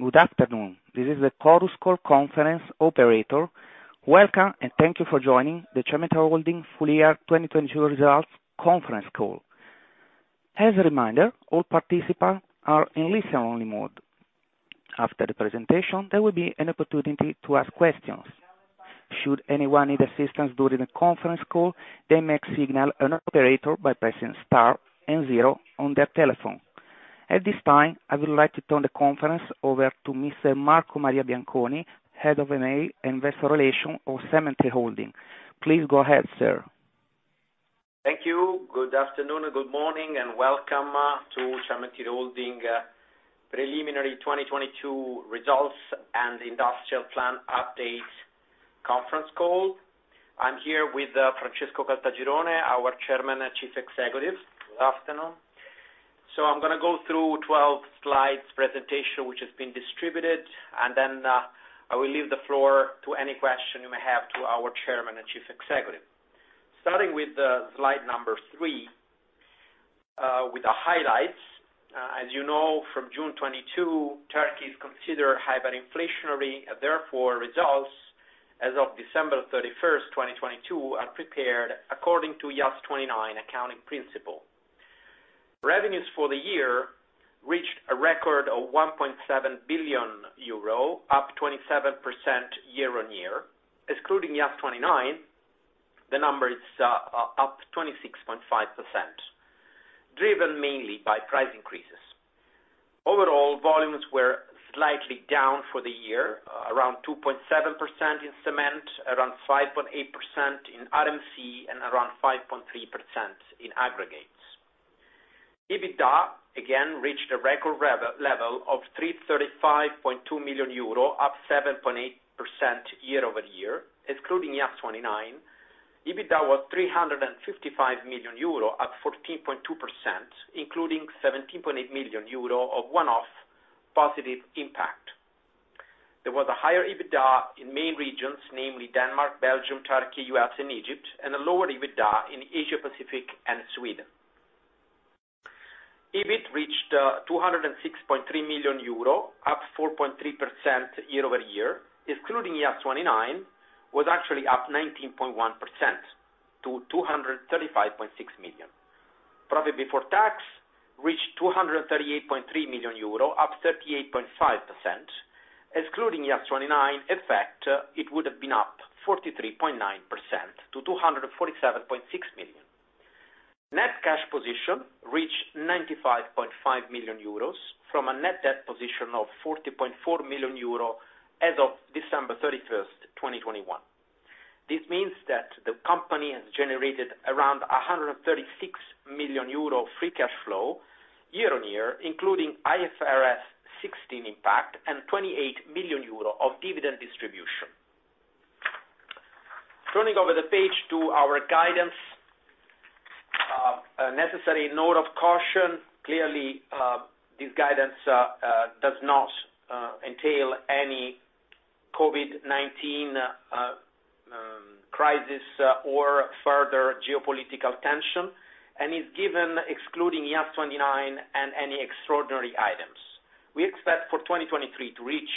Good afternoon. This is the Chorus Call conference operator. Welcome, thank you for joining the Cementir Holding full year 2022 results conference call. As a reminder, all participants are in listen only mode. After the presentation, there will be an opportunity to ask questions. Should anyone need assistance during the conference call, they may signal an operator by pressing star zero on their telephone. At this time, I would like to turn the conference over to Mr. Marco Maria Bianconi, Head of M&A and Investor Relations of Cementir Holding. Please go ahead, sir. Thank you. Good afternoon and good morning, and welcome to Cementir Holding preliminary 2022 results and industrial plan update conference call. I'm here with Francesco Caltagirone, our Chairman and Chief Executive. Good afternoon. I'm gonna go through 12 slides presentation, which has been distributed, and then I will leave the floor to any question you may have to our Chairman and Chief Executive. Starting with slide number three, with the highlights. As you know, from June 2022, Turkey is considered hyperinflationary, therefore, results as of December 31st, 2022, are prepared according to IAS 29 accounting principle. Revenues for the year reached a record of 1.7 billion euro, up 27% year on year. Excluding IAS 29, the number is up 26.5%, driven mainly by price increases. Overall, volumes were slightly down for the year, around 2.7% in cement, around 5.8% in RMC, and around 5.3% in aggregates. EBITDA, again, reached a record level of 335.2 million euro, up 7.8% year-over-year, excluding IAS 29. EBITDA was 355 million euro, up 14.2%, including 17.8 million euro of one-off positive impact. There was a higher EBITDA in main regions, namely Denmark, Belgium, Turkey, U.S., and Egypt, and a lower EBITDA in Asia Pacific and Sweden. EBIT reached 206.3 million euro, up 4.3% year-over-year. Excluding IAS 29, was actually up 19.1% to 235.6 million. Profit before tax reached 238.3 million euro, up 38.5%. Excluding IAS 29 effect, it would have been up 43.9% to 247.6 million. Net cash position reached 95.5 million euros from a net debt position of 40.4 million euro as of December 31, 2021. This means that the company has generated around 136 million euro free cash flow year-on-year, including IFRS 16 impact and 28 million euro of dividend distribution. Turning over the page to our guidance. A necessary note of caution. Clearly, this guidance does not entail any COVID-19 crisis or further geopolitical tension, and is given excluding IAS 29 and any extraordinary items. We expect for 2023 to reach,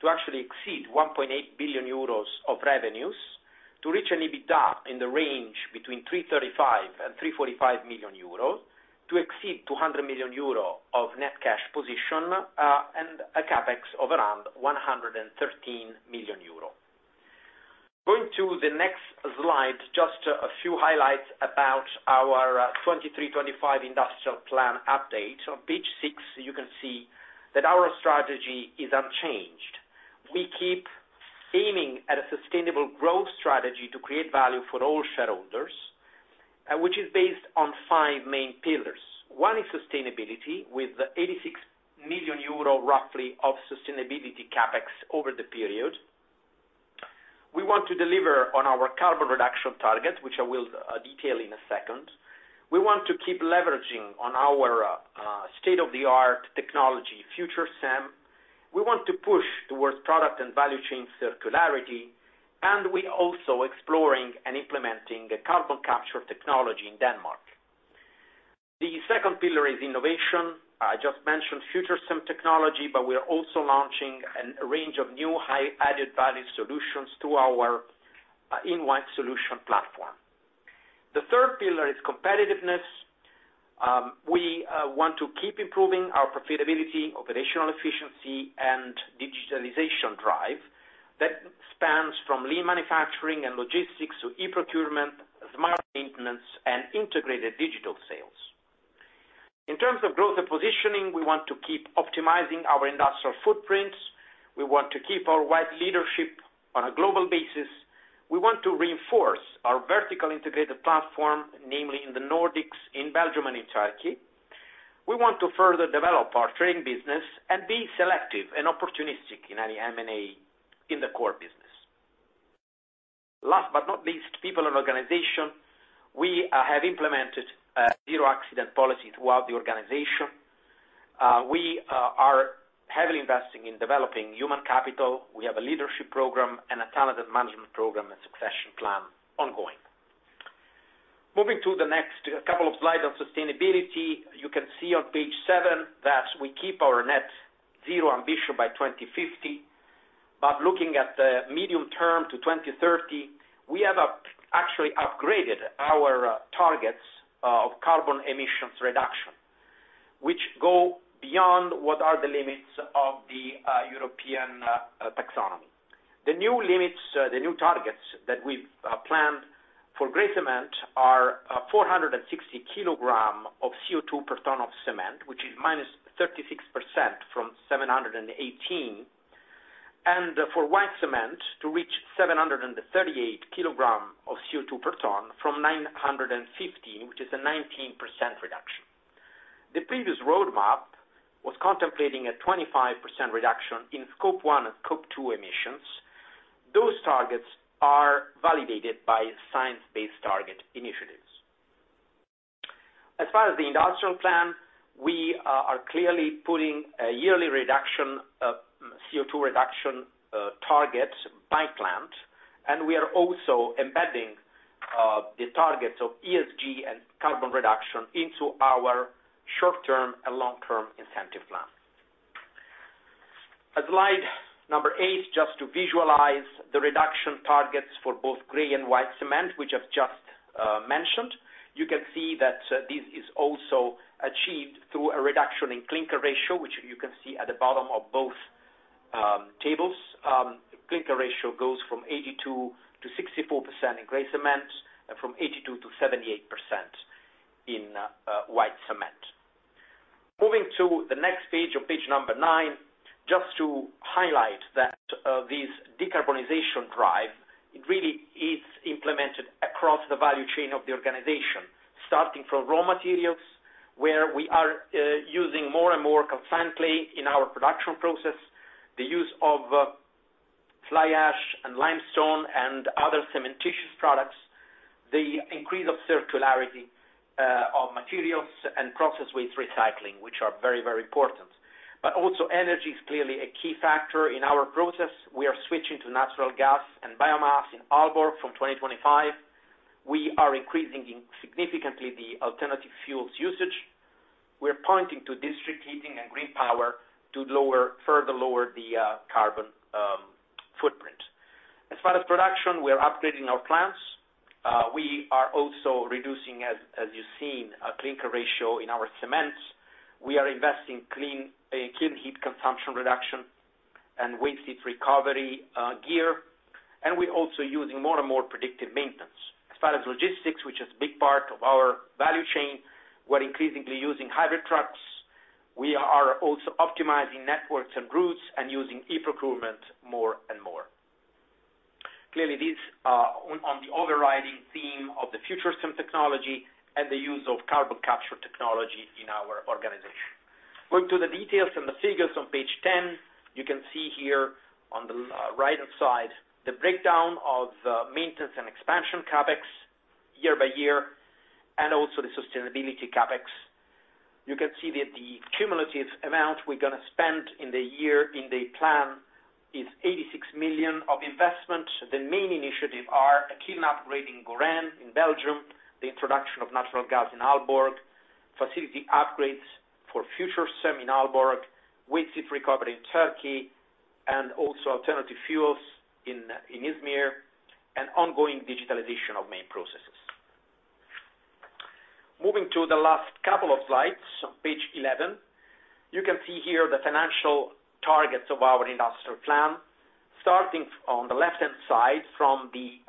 to actually exceed 1.8 billion euros of revenues, to reach an EBITDA in the range between 335 million and 345 million euros, to exceed 200 million euro of net cash position, and a CapEx of around 113 million euro. Going to the next slide, just a few highlights about our 2023-2025 industrial plan update. On page six, you can see that our strategy is unchanged. We keep aiming at a sustainable growth strategy to create value for all shareholders, which is based on five main pillars. One is sustainability with 86 million euro roughly of sustainability CapEx over the period. We want to deliver on our carbon reduction target, which I will detail in a second. We want to keep leveraging on our state-of-the-art technology, FUTURECEM. We want to push towards product and value chain circularity, and we also exploring and implementing a carbon capture technology in Denmark. The second pillar is innovation. I just mentioned FUTURECEM technology, but we are also launching an range of new high added value solutions to our, in one solution platform. The third pillar is competitiveness. We want to keep improving our profitability, operational efficiency, and digitalization drive that spans from lean manufacturing and logistics to e-procurement, smart maintenance and integrated digital sales. In terms of growth and positioning, we want to keep optimizing our industrial footprints. We want to keep our wide leadership on a global basis. We want to reinforce our vertical integrated platform, namely in the Nordics, in Belgium and in Turkey. We want to further develop our trading business and be selective and opportunistic in any M&A in the core business. Last but not least, people and organization. We have implemented a zero-accident policy throughout the organization. We are heavily investing in developing human capital. We have a leadership program and a talented management program and succession plan ongoing. Moving to the next couple of slides on sustainability, you can see on page seven that we keep our net zero ambition by 2050. Looking at the medium term to 2030, we actually upgraded our targets of carbon emissions reduction, which go beyond what are the limits of the European Taxonomy. The new limits, the new targets that we've planned for gray cement are 460 kg of CO2 per ton of cement, which is -36% from 718 kg. For white cement to reach 738 kg of CO2 per ton from 915 kg, which is a 19% reduction. The previous roadmap was contemplating a 25% reduction in Scope 1 and Scope 2 emissions. Those targets are validated by Science Based Targets initiative. As far as the industrial plan, we are clearly putting a yearly reduction of CO2 reduction targets by plant, and we are also embedding the targets of ESG and carbon reduction into our short term and long term incentive plan. At slide number eight, just to visualize the reduction targets for both gray and white cement, which I've just mentioned. You can see that this is also achieved through a reduction in clinker ratio, which you can see at the bottom of both tables. Clinker ratio goes from 82% to 64% in gray cement, and from 82% to 78% in white cement. Moving to the next page, on page number nine, just to highlight that this decarbonization drive, it really is implemented across the value chain of the organization, starting from raw materials, where we are using more and more constantly in our production process, the use of fly ash and limestone and other cementitious products. The increase of circularity of materials and process waste recycling, which are very, very important. Also energy is clearly a key factor in our process. We are switching to natural gas and biomass in Aalborg from 2025. We are increasing significantly the alternative fuels usage. We're pointing to district heating and green power to further lower the carbon footprint. As far as production, we are upgrading our plants. We are also reducing, as you've seen, a clinker ratio in our cements. We are investing clean kiln heat consumption reduction and waste heat recovery gear. We're also using more and more predictive maintenance. As far as logistics, which is big part of our value chain, we're increasingly using hybrid trucks. We are also optimizing networks and routes and using e-procurement more and more. Clearly, these are on the overriding theme of the future of cement technology and the use of carbon capture technology in our organization. Going to the details and the figures on page 10, you can see here on the right side, the breakdown of maintenance and expansion CapEx year by year, and also the sustainability CapEx. You can see that the cumulative amount we're gonna spend in the year in the plan is 86 million of investment. The main initiative are a kiln upgrade in Gaurain in Belgium, the introduction of natural gas in Aalborg, facility upgrades for FUTURECEM in Aalborg, waste heat recovery in Turkey, and also alternative fuels in Izmir, and ongoing digitalization of main processes. Moving to the last couple of slides, on page 11. You can see here the financial targets of our industrial plan, starting on the left-hand side from the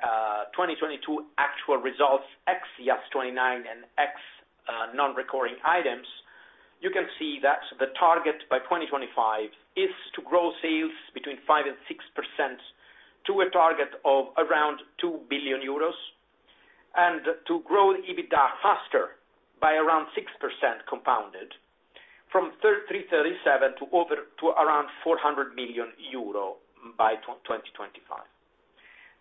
2022 actual results X IAS 29 and X non-recurring items. You can see that the target by 2025 is to grow sales between 5% and 6% to a target of around 2 billion euros, and to grow the EBITDA faster by around 6% compounded from 337 million to over to around 400 million euro by 2025.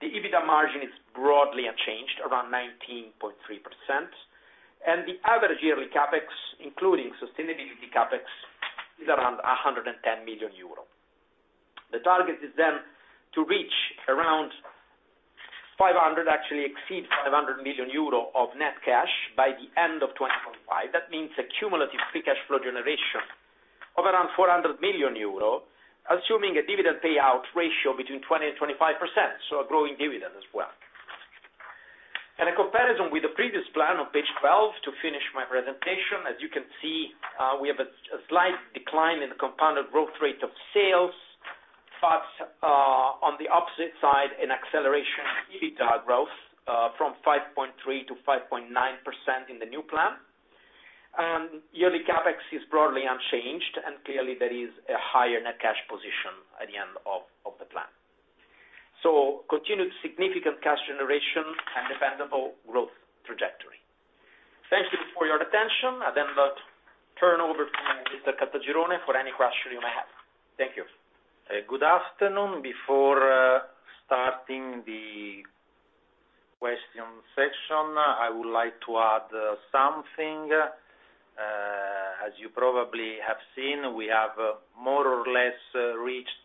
The EBITDA margin is broadly unchanged, around 19.3%. The average yearly CapEx, including sustainability CapEx, is around 110 million euro. The target is then to reach around 500 million, actually exceed 500 million euro of net cash by the end of 2025. That means a cumulative free cash flow generation of around 400 million euro, assuming a dividend payout ratio between 20% and 25%. A growing dividend as well. In a comparison with the previous plan on page 12 to finish my presentation, as you can see, we have a slight decline in the compounded growth rate of sales. On the opposite side, an acceleration in EBITDA growth from 5.3 to 5.9% in the new plan. Yearly CapEx is broadly unchanged, and clearly there is a higher net cash position at the end of the plan. Continued significant cash generation and dependable growth trajectory. Thank you for your attention. I then now turn over to Mr. Caltagirone for any question you may have. Thank you. Good afternoon. Before starting the question section, I would like to add something. As you probably have seen, we have more or less reached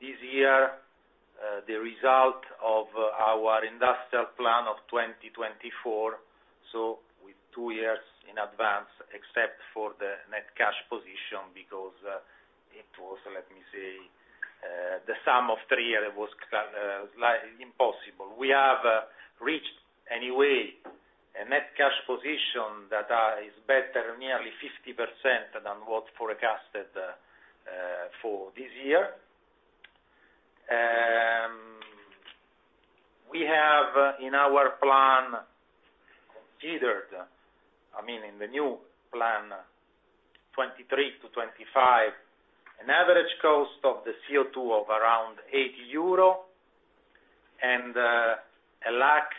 This year, the result of our industrial plan of 2024, with two years in advance, except for the net cash position, it was, let me see, the sum of three years was impossible. We have reached, anyway, a net cash position that is better nearly 50% than what's forecasted for this year. We have, in our plan considered, I mean, in the new plan, 2023 to 2025, an average cost of the CO2 of around 80 euro, a LAC,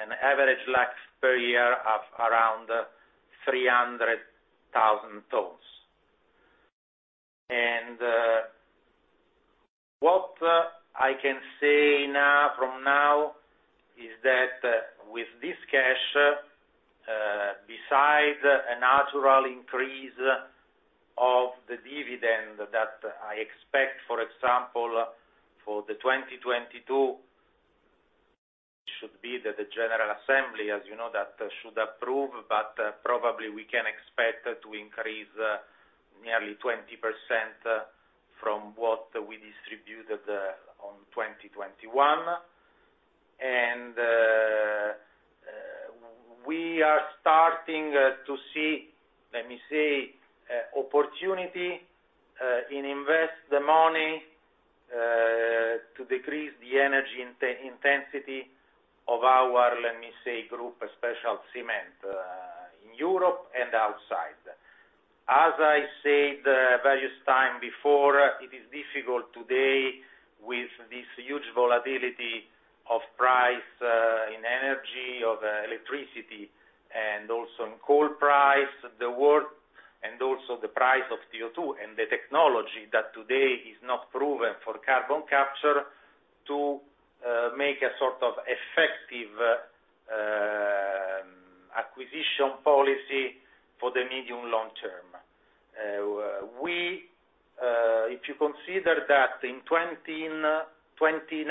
an average LACs per year of around 300,000 tons. What I can say now, from now, is that with this cash, besides a natural increase of the dividend that I expect, for example, for the 2022 should be that the general assembly, as you know, that should approve, but probably we can expect to increase nearly 20% from what we distributed on 2021. We are starting to see, let me see, opportunity in invest the money to decrease the energy intensity of our, let me say, group, especially cement, in Europe and outside. As I said various time before, it is difficult today with this huge volatility of price, in energy, of electricity, and also in coal price, the war, and also the price of CO2 and the technology that today is not proven for carbon capture to make a sort of effective acquisition policy for the medium long term. We, if you consider that in 2019,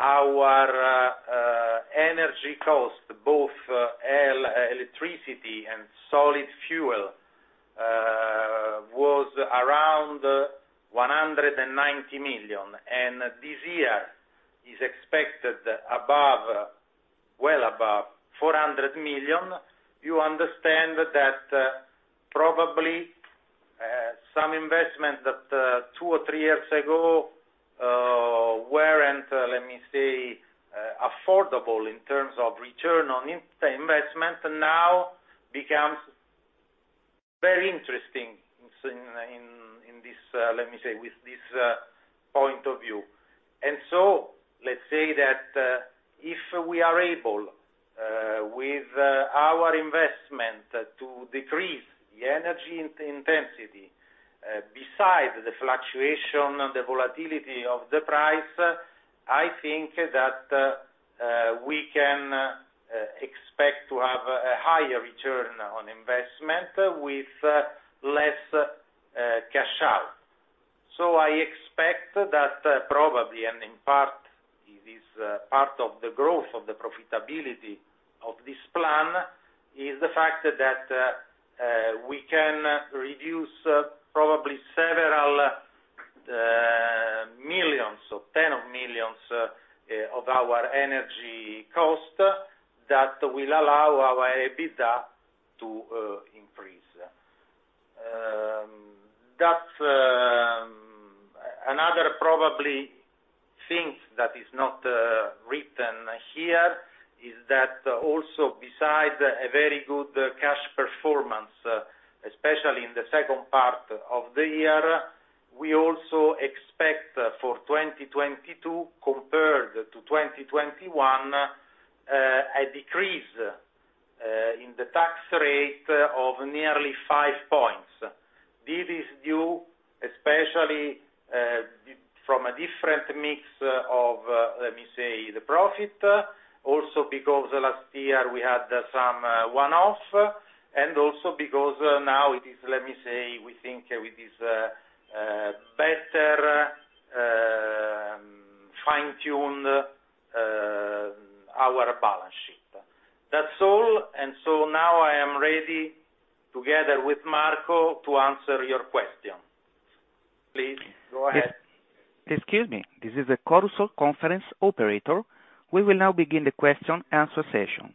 our energy cost, both electricity and solid fuel, was around 190 million, and this year is expected above, well above 400 million, you understand that, probably, some investment that two or three years ago weren't, let me say, affordable in terms of return on investment now becomes very interesting in this, let me say, with this point of view. Let's say that, if we are able, with our investment to decrease the energy intensity, beside the fluctuation and the volatility of the price, I think that, we can expect to have a higher return on investment with less cash out. I expect that, probably, and in part, it is a part of the growth of the profitability of this plan, is the fact that, we can reduce, probably several Euro millions or 10 of millions of our energy cost that will allow our EBITDA to increase. That's. Another probably things that is not written here is that also besides a very good cash performance, especially in the second part of the year, we also expect for 2022 compared to 2021, a decrease in the tax rate of nearly 5 points. This is due especially from a different mix of, let me say, the profit, also because last year we had some one-off, and also because now it is, let me say, we think with this better fine-tuned our balance sheet. That's all. Now I am ready, together with Marco, to answer your question. Please go ahead. Excuse me. This is the Chorus Call conference operator. We will now begin the question answer session.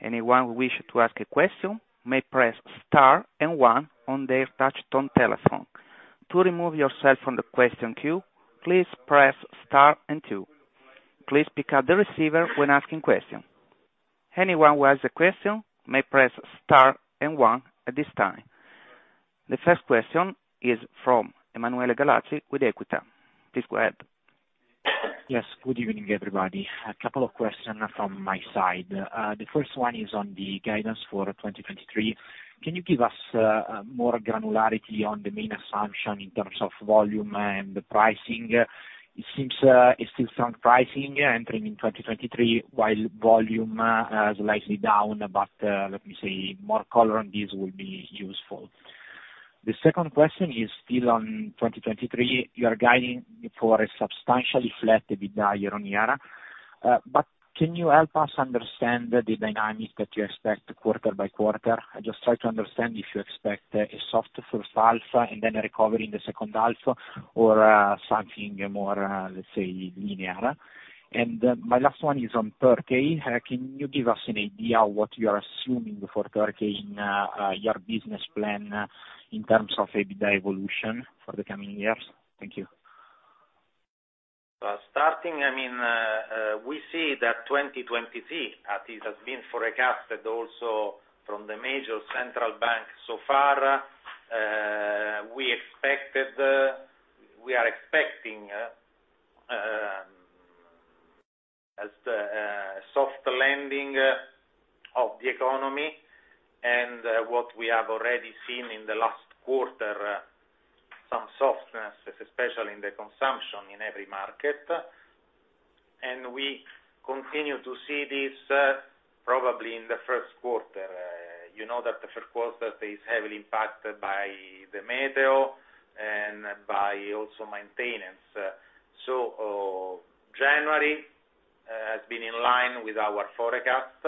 Anyone who wish to ask a question may press star and one on their touchtone telephone. To remove yourself from the question queue, please press star and two. Please pick up the receiver when asking question. Anyone who has a question may press star and one at this time. The first question is from Emanuele Gallazzi with EQUITA. Please go ahead. Yes, good evening, everybody. A couple of question from my side. The first one is on the guidance for 2023. Can you give us more granularity on the main assumption in terms of volume and the pricing? It seems it's still some pricing entering in 2023, while volume slightly down, but let me see, more color on this will be useful. The second question is still on 2023. You are guiding for a substantially flat EBITDA year-on-year. But can you help us understand the dynamics that you expect quarter by quarter? I just try to understand if you expect a soft first half and then a recovery in the second half, or something more, let's say, linear. My last one is on Turkey. Can you give us an idea what you are assuming for Turkey in your business plan in terms of EBITDA evolution for the coming years? Thank you. Starting, we see that 2023, as it has been forecasted also from the major central banks so far, we expected, we are expecting, as the soft landing of the economy and what we have already seen in the last quarter, some softness, especially in the consumption in every market. We continue to see this probably in the first quarter. You know that the first quarter is heavily impacted by the meteo and by also maintenance. January has been in line with our forecast,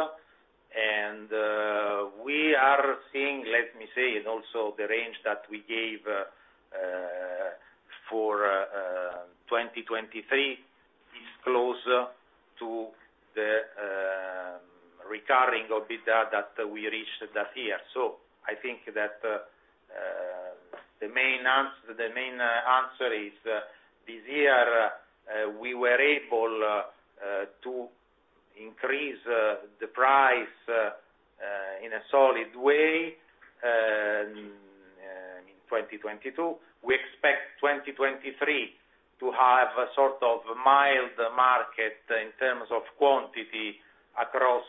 and we are seeing, let me say, and also the range that we gave for 2023 is closer to the recurring EBITDA that we reached that year. I think that the main answer is this year we were able to increase the price in a solid way in 2022. We expect 2023 to have a sort of mild market in terms of quantity across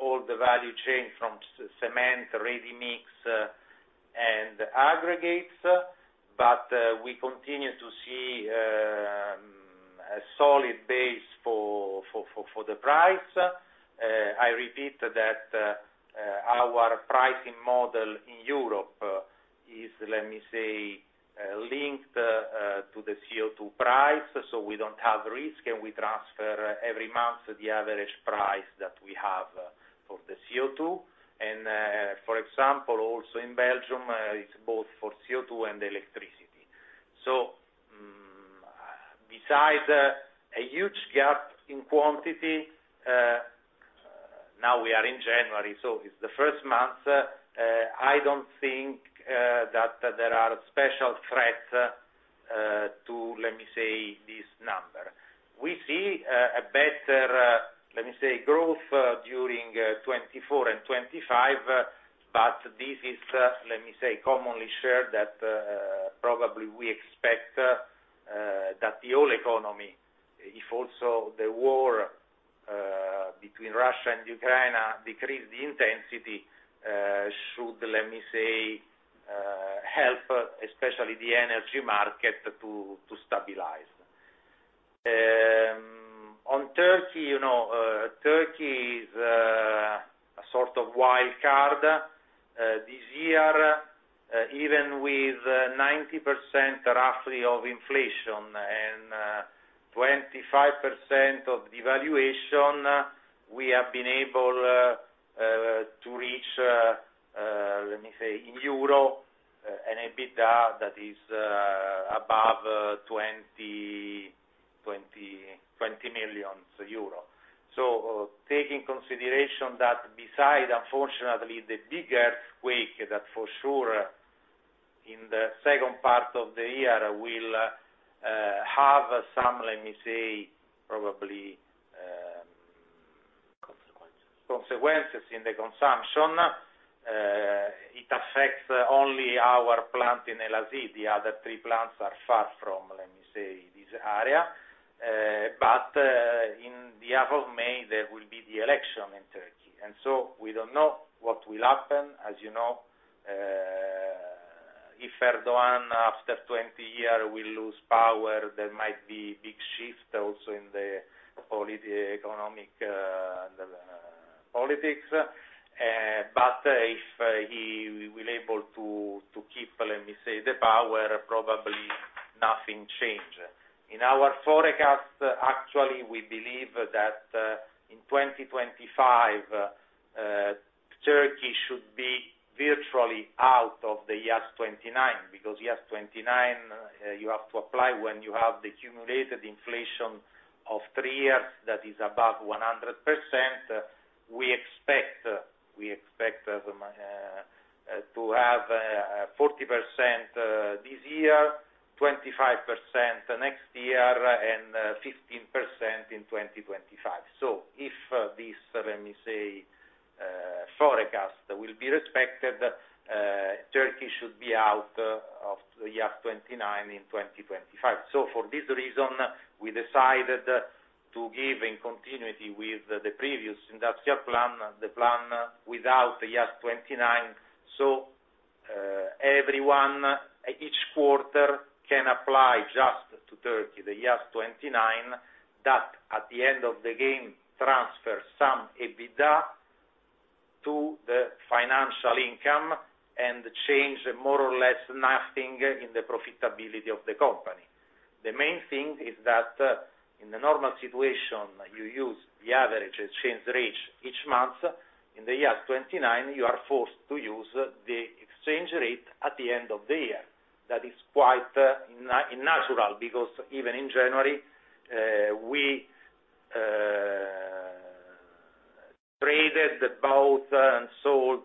all the value chain from cement, ready-mix, and aggregates, but we continue to see a solid base for the price. I repeat that our pricing model in Europe is, let me say, linked to the CO2 price, so we don't have risk, and we transfer every month the average price that we have for the CO2. For example, also in Belgium, it's both for CO2 and electricity. Besides a huge gap in quantity, now we are in January, so it's the first month, I don't think that there are special threats to, let me say, this number. We see a better, let me say, growth during 2024 and 2025. This is, let me say, commonly shared that probably we expect that the whole economy, if also the war between Russia and Ukraine decrease the intensity, should, let me say, help especially the energy market to stabilize. On Turkey, you know, Turkey is a sort of wild card this year, even with 90% roughly of inflation and 25% of devaluation, we have been able to reach, let me say, in euro, an EBITDA that is above EUR 20 million. Take in consideration that beside, unfortunately, the big earthquake that for sure in the second part of the year will have some, let me say, probably, consequences in the consumption. It affects only our plant in Elazig. The other three plants are far from, let me say, this area. But in the month of May, there will be the election in Turkey, we don't know what will happen. As you know, if Erdogan after 20 years will lose power, there might be big shift also in the poli-economic politics. If he will able to keep, let me say, the power, probably nothing change. In our forecast, actually, we believe that in 2025, Turkey should be virtually out of the IAS 29, because IAS 29 you have to apply when you have the cumulative inflation of three years that is above 100%. We expect to have 40% this year, 25% next year, and 15% in 2025. If this, let me say, forecast will be respected, Turkey should be out of the IAS 29 in 2025. For this reason, we decided to give in continuity with the previous industrial plan, the plan without the IAS 29. Everyone, each quarter can apply just to Turkey, the IAS 29, that at the end of the game transfers some EBITDA to the financial income and change more or less nothing in the profitability of the company. The main thing is that in the normal situation, you use the average exchange rate each month. In the IAS 29, you are forced to use the exchange rate at the end of the year. That is quite natural because even in January, we traded both and sold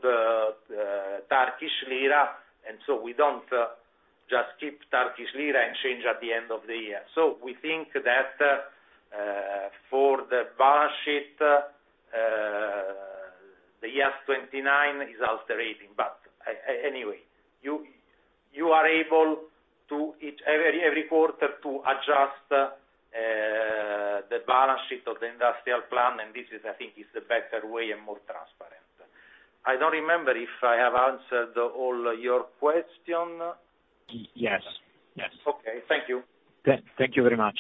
Turkish lira, and so we don't just keep Turkish lira and change at the end of the year. We think that for the balance sheet, the IAS 29 is altering. Anyway, you are able to every quarter to adjust, the balance sheet of the industrial plan. This is I think is the better way and more transparent. I don't remember if I have answered all your question? Yes. Yes. Okay. Thank you. Thank you very much.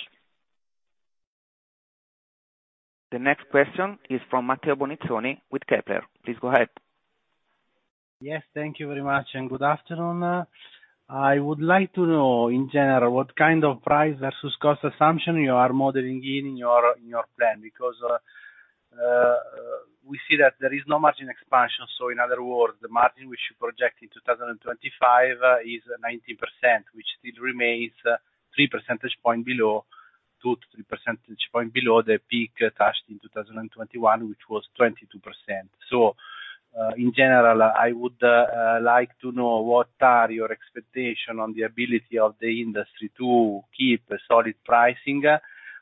The next question is from Matteo Bonizzoni with Kepler. Please go ahead. Yes, thank you very much, and good afternoon. I would like to know in general what kind of price versus cost assumption you are modeling in your plan. We see that there is no margin expansion, so in other words, the margin which you project in 2025 is 19%, which still remains 3 percentage point below, 2-3 percentage point below the peak touched in 2021, which was 22%. In general, I would like to know what are your expectation on the ability of the industry to keep a solid pricing,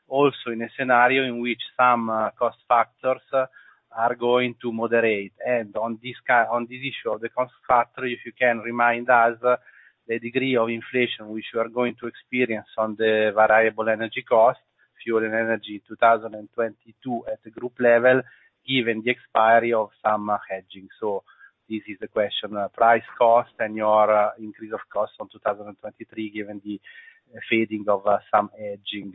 also in a scenario in which some cost factors are going to moderate. On this issue of the cost factor, if you can remind us the degree of inflation which you are going to experience on the variable energy cost, fuel and energy 2022 at the group level, given the expiry of some hedging. This is the question, price cost and your increase of cost on 2023, given the fading of some hedging.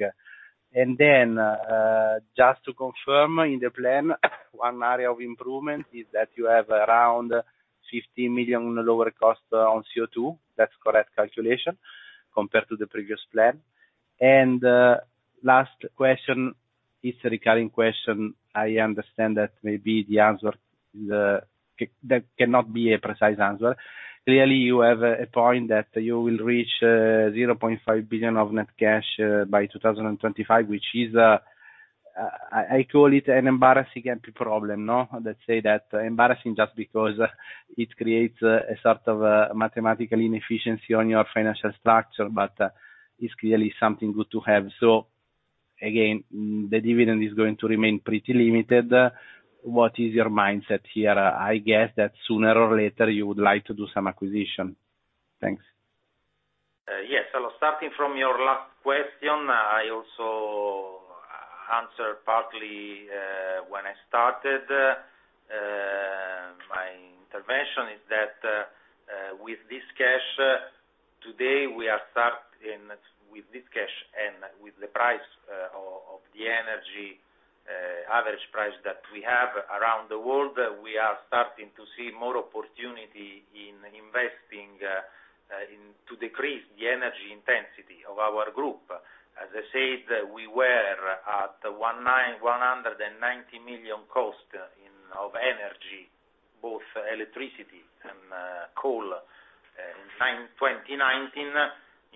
Just to confirm in the plan, one area of improvement is that you have around 50 million lower cost on CO2. That's correct calculation compared to the previous plan. Last question is a recurring question. I understand that maybe the answer, that cannot be a precise answer. Really, you have a point that you will reach, 0.5 billion of net cash, by 2025, which is, I call it an embarrassing empty problem, no? Let's say that embarrassing just because it creates a sort of a mathematical inefficiency on your financial structure, but, it's clearly something good to have. Again, the dividend is going to remain pretty limited. What is your mindset here? I guess that sooner or later you would like to do some acquisition. Thanks. Yes. Starting from your last question, I also answer partly when I started my intervention is that with this cash today, with this cash and with the price of the energy average price that we have around the world, we are starting to see more opportunity in investing to decrease the energy intensity of our group. As I said, we were at 190 million cost of energy, both electricity and coal, in 2019.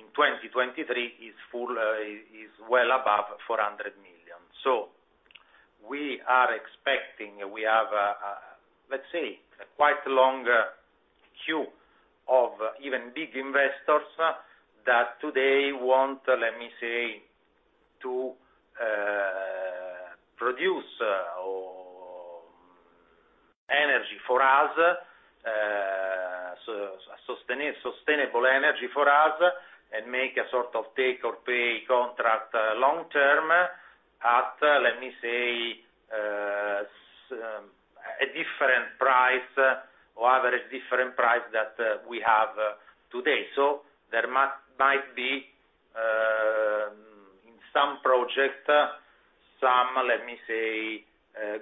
In 2023, is well above 400 million. We are expecting we have, let's say, quite long queue of even big investors that today want, let me say, to produce or energy for us, so sustainable energy for us and make a sort of take or pay contract long-term at, let me say, a different price or average different price that we have today. There might be in some project, some, let me say,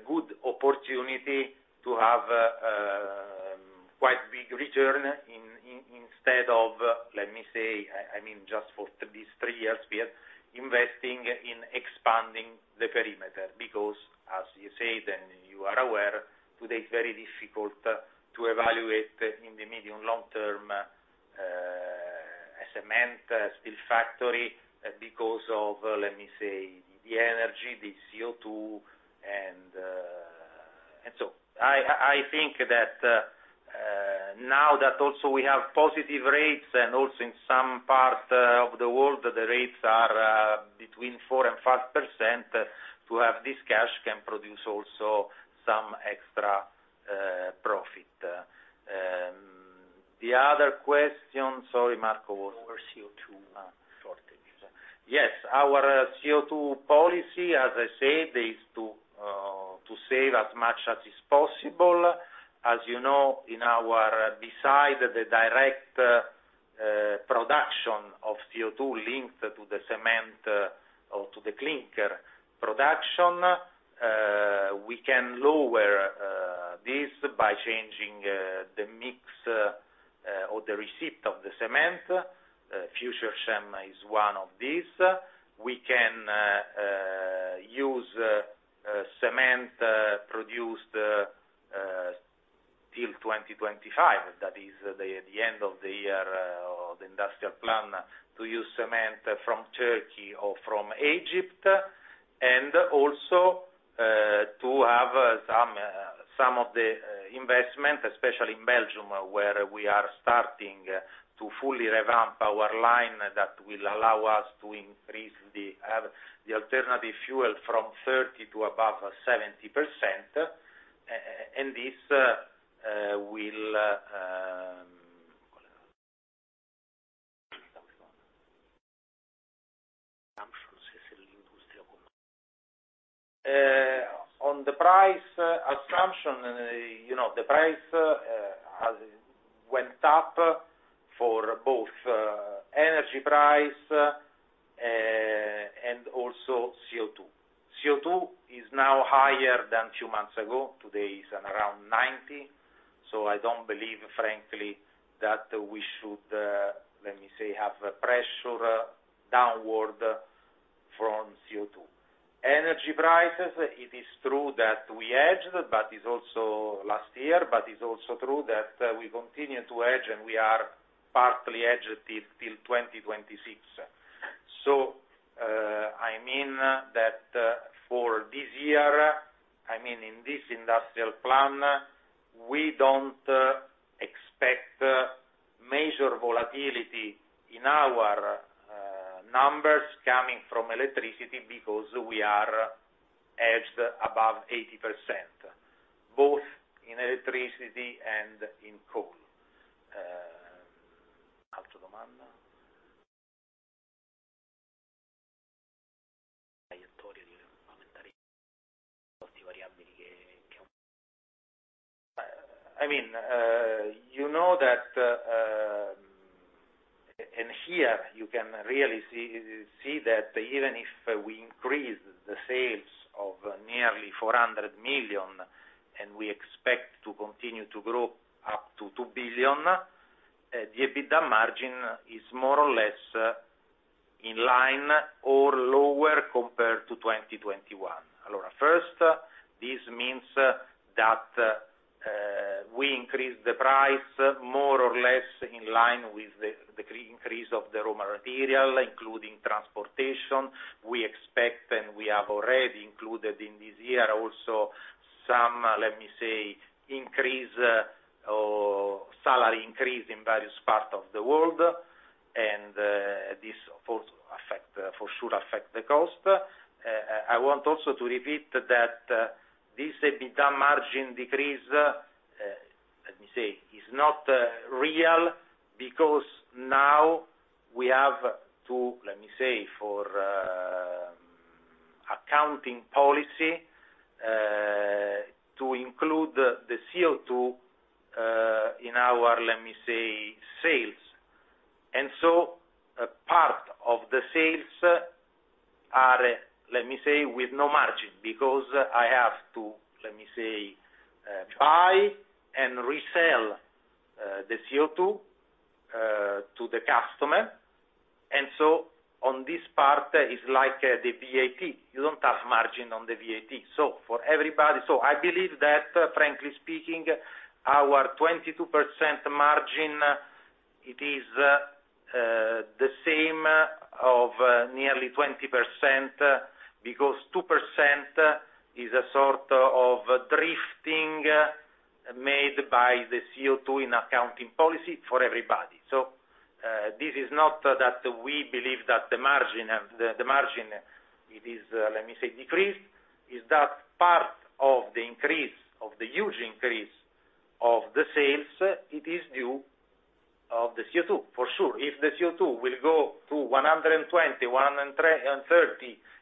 good opportunity to have a quite big return instead of, let me say, I mean, just for these three years we are investing in expanding the perimeter because, as you said, and you are aware, today it's very difficult to evaluate in the medium long term, cement, steel factory because of, let me say, the energy, the CO2 and so. I think that now that also we have positive rates and also in some part of the world, the rates are between 4% and 5%, to have this cash can produce also some extra profit. The other question, sorry, Marco. Over CO2. Yes, our CO2 policy, as I said, is to save as much as is possible. As you know, beside the direct production of CO2 linked to the cement or to the clinker production, we can lower this by changing the mix or the receipt of the cement. FUTURECEM is one of these. We can use cement produced till 2025. That is the end of the year, or the industrial plan to use cement from Turkey or from Egypt. To have some of the investment, especially in Belgium, where we are starting to fully revamp our line. That will allow us to increase the alternative fuel from 30% to above 70%. And this will... On the price assumption, you know, the price has went up for both energy price and also CO2. CO2 is now higher than two months ago. Today is around 90. I don't believe, frankly, that we should have a pressure downward from CO2. Energy prices, it is true that we hedged, but it's also last year. It's also true that we continue to hedge, and we are partly hedged till 2026. I mean that, for this year, I mean, in this industrial plan, we don't expect major volatility in our numbers coming from electricity because we are hedged above 80%, both in electricity and in coal. I mean, you know that in here, you can really see that even if we increase the sales of nearly 400 million, and we expect to continue to grow up to 2 billion, the EBITDA margin is more or less in line or lower compared to 2021. All right. First, this means that we increase the price more or less in line with the increase of the raw material, including transportation. We expect, and we have already included in this year also some, let me say, increase or salary increase in various parts of the world, and this of course for sure affect the cost. I want also to repeat that this EBITDA margin decrease, let me say, is not real. Because now we have to, let me say, for accounting policy, to include the CO2 in our, let me say, sales. A part of the sales are, let me say, with no margin. Because I have to, let me say, buy and resell the CO2 to the customer. On this part, it's like the VAT. You don't have margin on the VAT. For everybody. I believe that, frankly speaking, our 22% margin, it is the same of nearly 20%, because 2% is a sort of drifting made by the CO2 in accounting policy for everybody. This is not that we believe that the margin, it is, let me say, decreased. It's that part of the increase, of the huge increase of the sales, it is due of the CO2, for sure. If the CO2 will go to 120-130 euro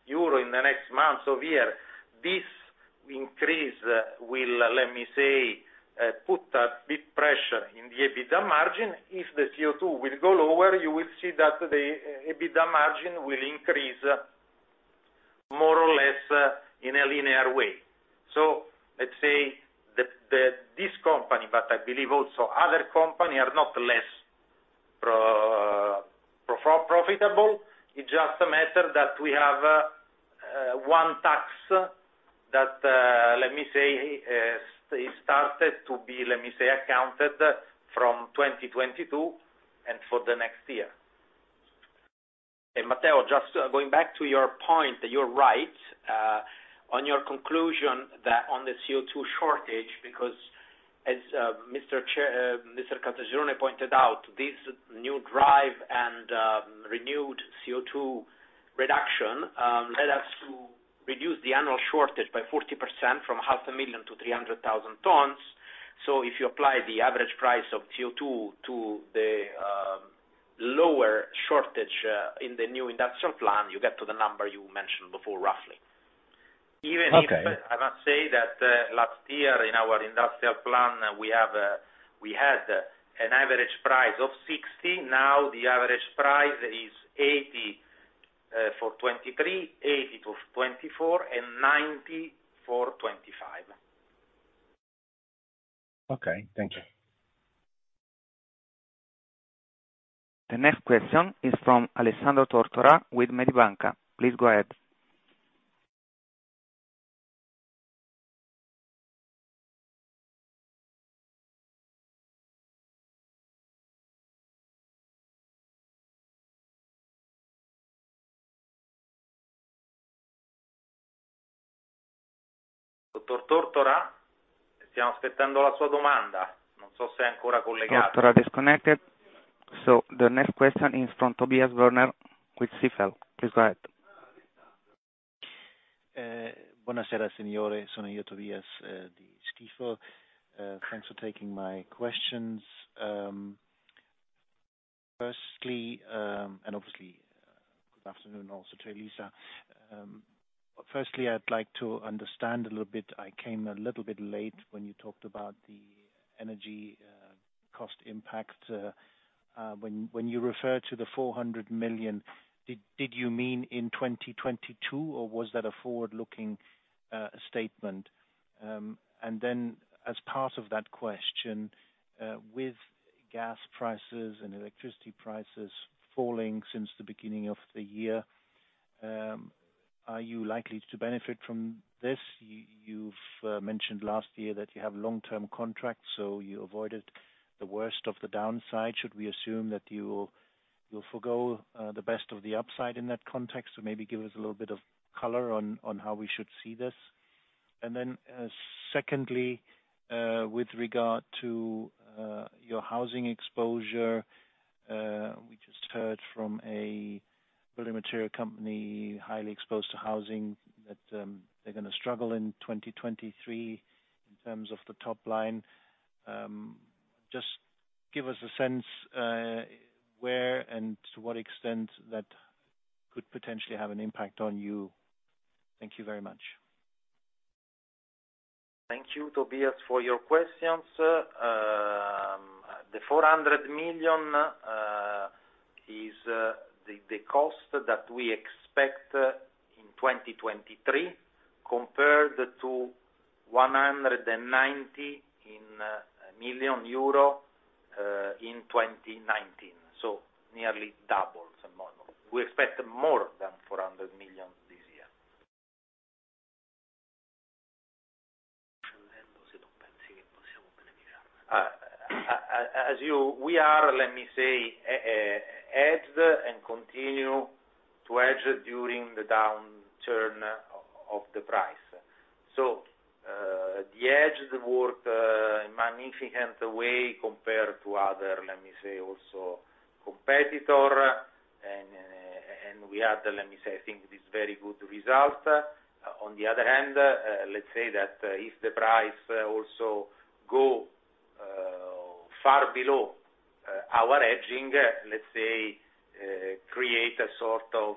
in the next months of year, this increase will, let me say, put a bit pressure in the EBITDA margin. If the CO2 will go lower, you will see that the EBITDA margin will increase more or less, in a linear way. Let's say that this company, but I believe also other company, are not less pro-profitable. It's just a matter that we have, one tax that, let me say, it started to be, let me say, accounted from 2022 and for the next year. Matteo, just going back to your point, you're right on your conclusion that on the CO2 shortage. As Mr. Chair, Mr. Caltagirone pointed out, this new drive and renewed CO2 reduction led us to reduce the annual shortage by 40% from 500,000 tons-300,000 tons. If you apply the average price of CO2 to the lower shortage in the new industrial plan, you get to the number you mentioned before, roughly. Okay. Even if, I must say that last year in our industrial plan, we had an average price of 60, now the average price is 80 for 2023, 80 to 2024, and 90 for 2025. Okay. Thank you. The next question is from Alessandro Tortora with Mediobanca. Please go ahead. Dr. Tortora? Tortora disconnected. The next question is from Tobias Woerner with Stifel. Please go ahead. Tobias of Stifel. Thanks for taking my questions. Firstly, obviously, good afternoon also to Elisa. Firstly, I'd like to understand a little bit. I came a little bit late when you talked about the energy cost impact. When you refer to the 400 million, did you mean in 2022 or was that a forward-looking statement? Then as part of that question, with gas prices and electricity prices falling since the beginning of the year, are you likely to benefit from this? You've mentioned last year that you have long-term contracts, you avoided the worst of the downside. Should we assume that you'll forgo the best of the upside in that context? maybe give us a little bit of color on how we should see this? secondly, with regard to your housing exposure, we just heard from a building material company highly exposed to housing that they're gonna struggle in 2023 in terms of the top line. just give us a sense where and to what extent that could potentially have an impact on you? Thank you very much. Thank you, Tobias, for your questions. The 400 million is the cost that we expect in 2023 compared to 190 million euro in 2019, so nearly double. We expect more than 400 million this year. As you, we are, let me say, edged and continue to edge during the downturn of the price. The edge work in magnificent way compared to other, let me say, also competitor. And we had, let me say, I think this very good result. On the other hand, let's say that if the price also go far below, our edging, let me say, create a sort of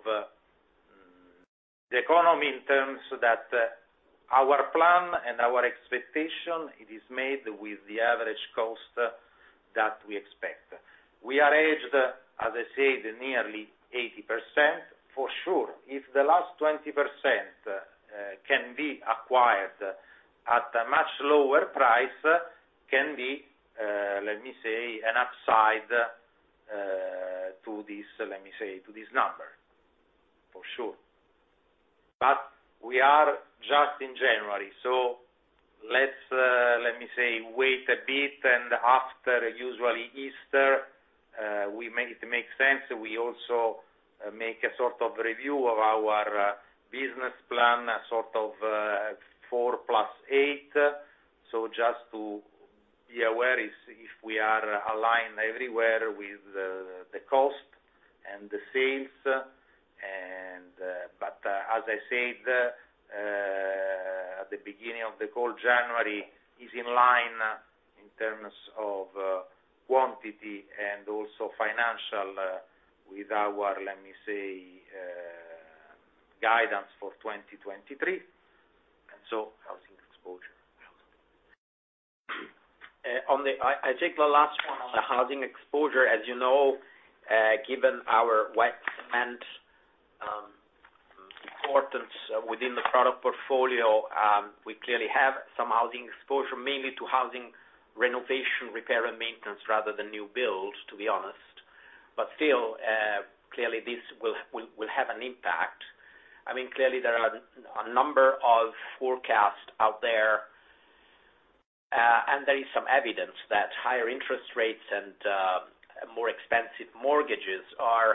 economy in terms that our plan and our expectation, it is made with the average cost that we expect. We are hedged, as I said, nearly 80%. For sure, if the last 20% can be acquired at a much lower price, can be, let me say, an upside to this, let me say, to this number, for sure. But we are just in January, so let's, let me say, wait a bit and after usually Easter, we make it to make sense. We also make a sort of review of our business plan, a sort of 4+8. So just to be aware if we are aligned everywhere with the cost and the sales. But as I said at the beginning of the call, January is in line in terms of quantity and also financial with our, let me say, guidance for 2023. So housing exposure on the... I take the last one on the housing exposure. As you know, given our wet cement, importance within the product portfolio, we clearly have some housing exposure, mainly to housing renovation, repair and maintenance rather than new builds, to be honest. Still, clearly this will have an impact. I mean, clearly there are a number of forecasts out there, and there is some evidence that higher interest rates and more expensive mortgages are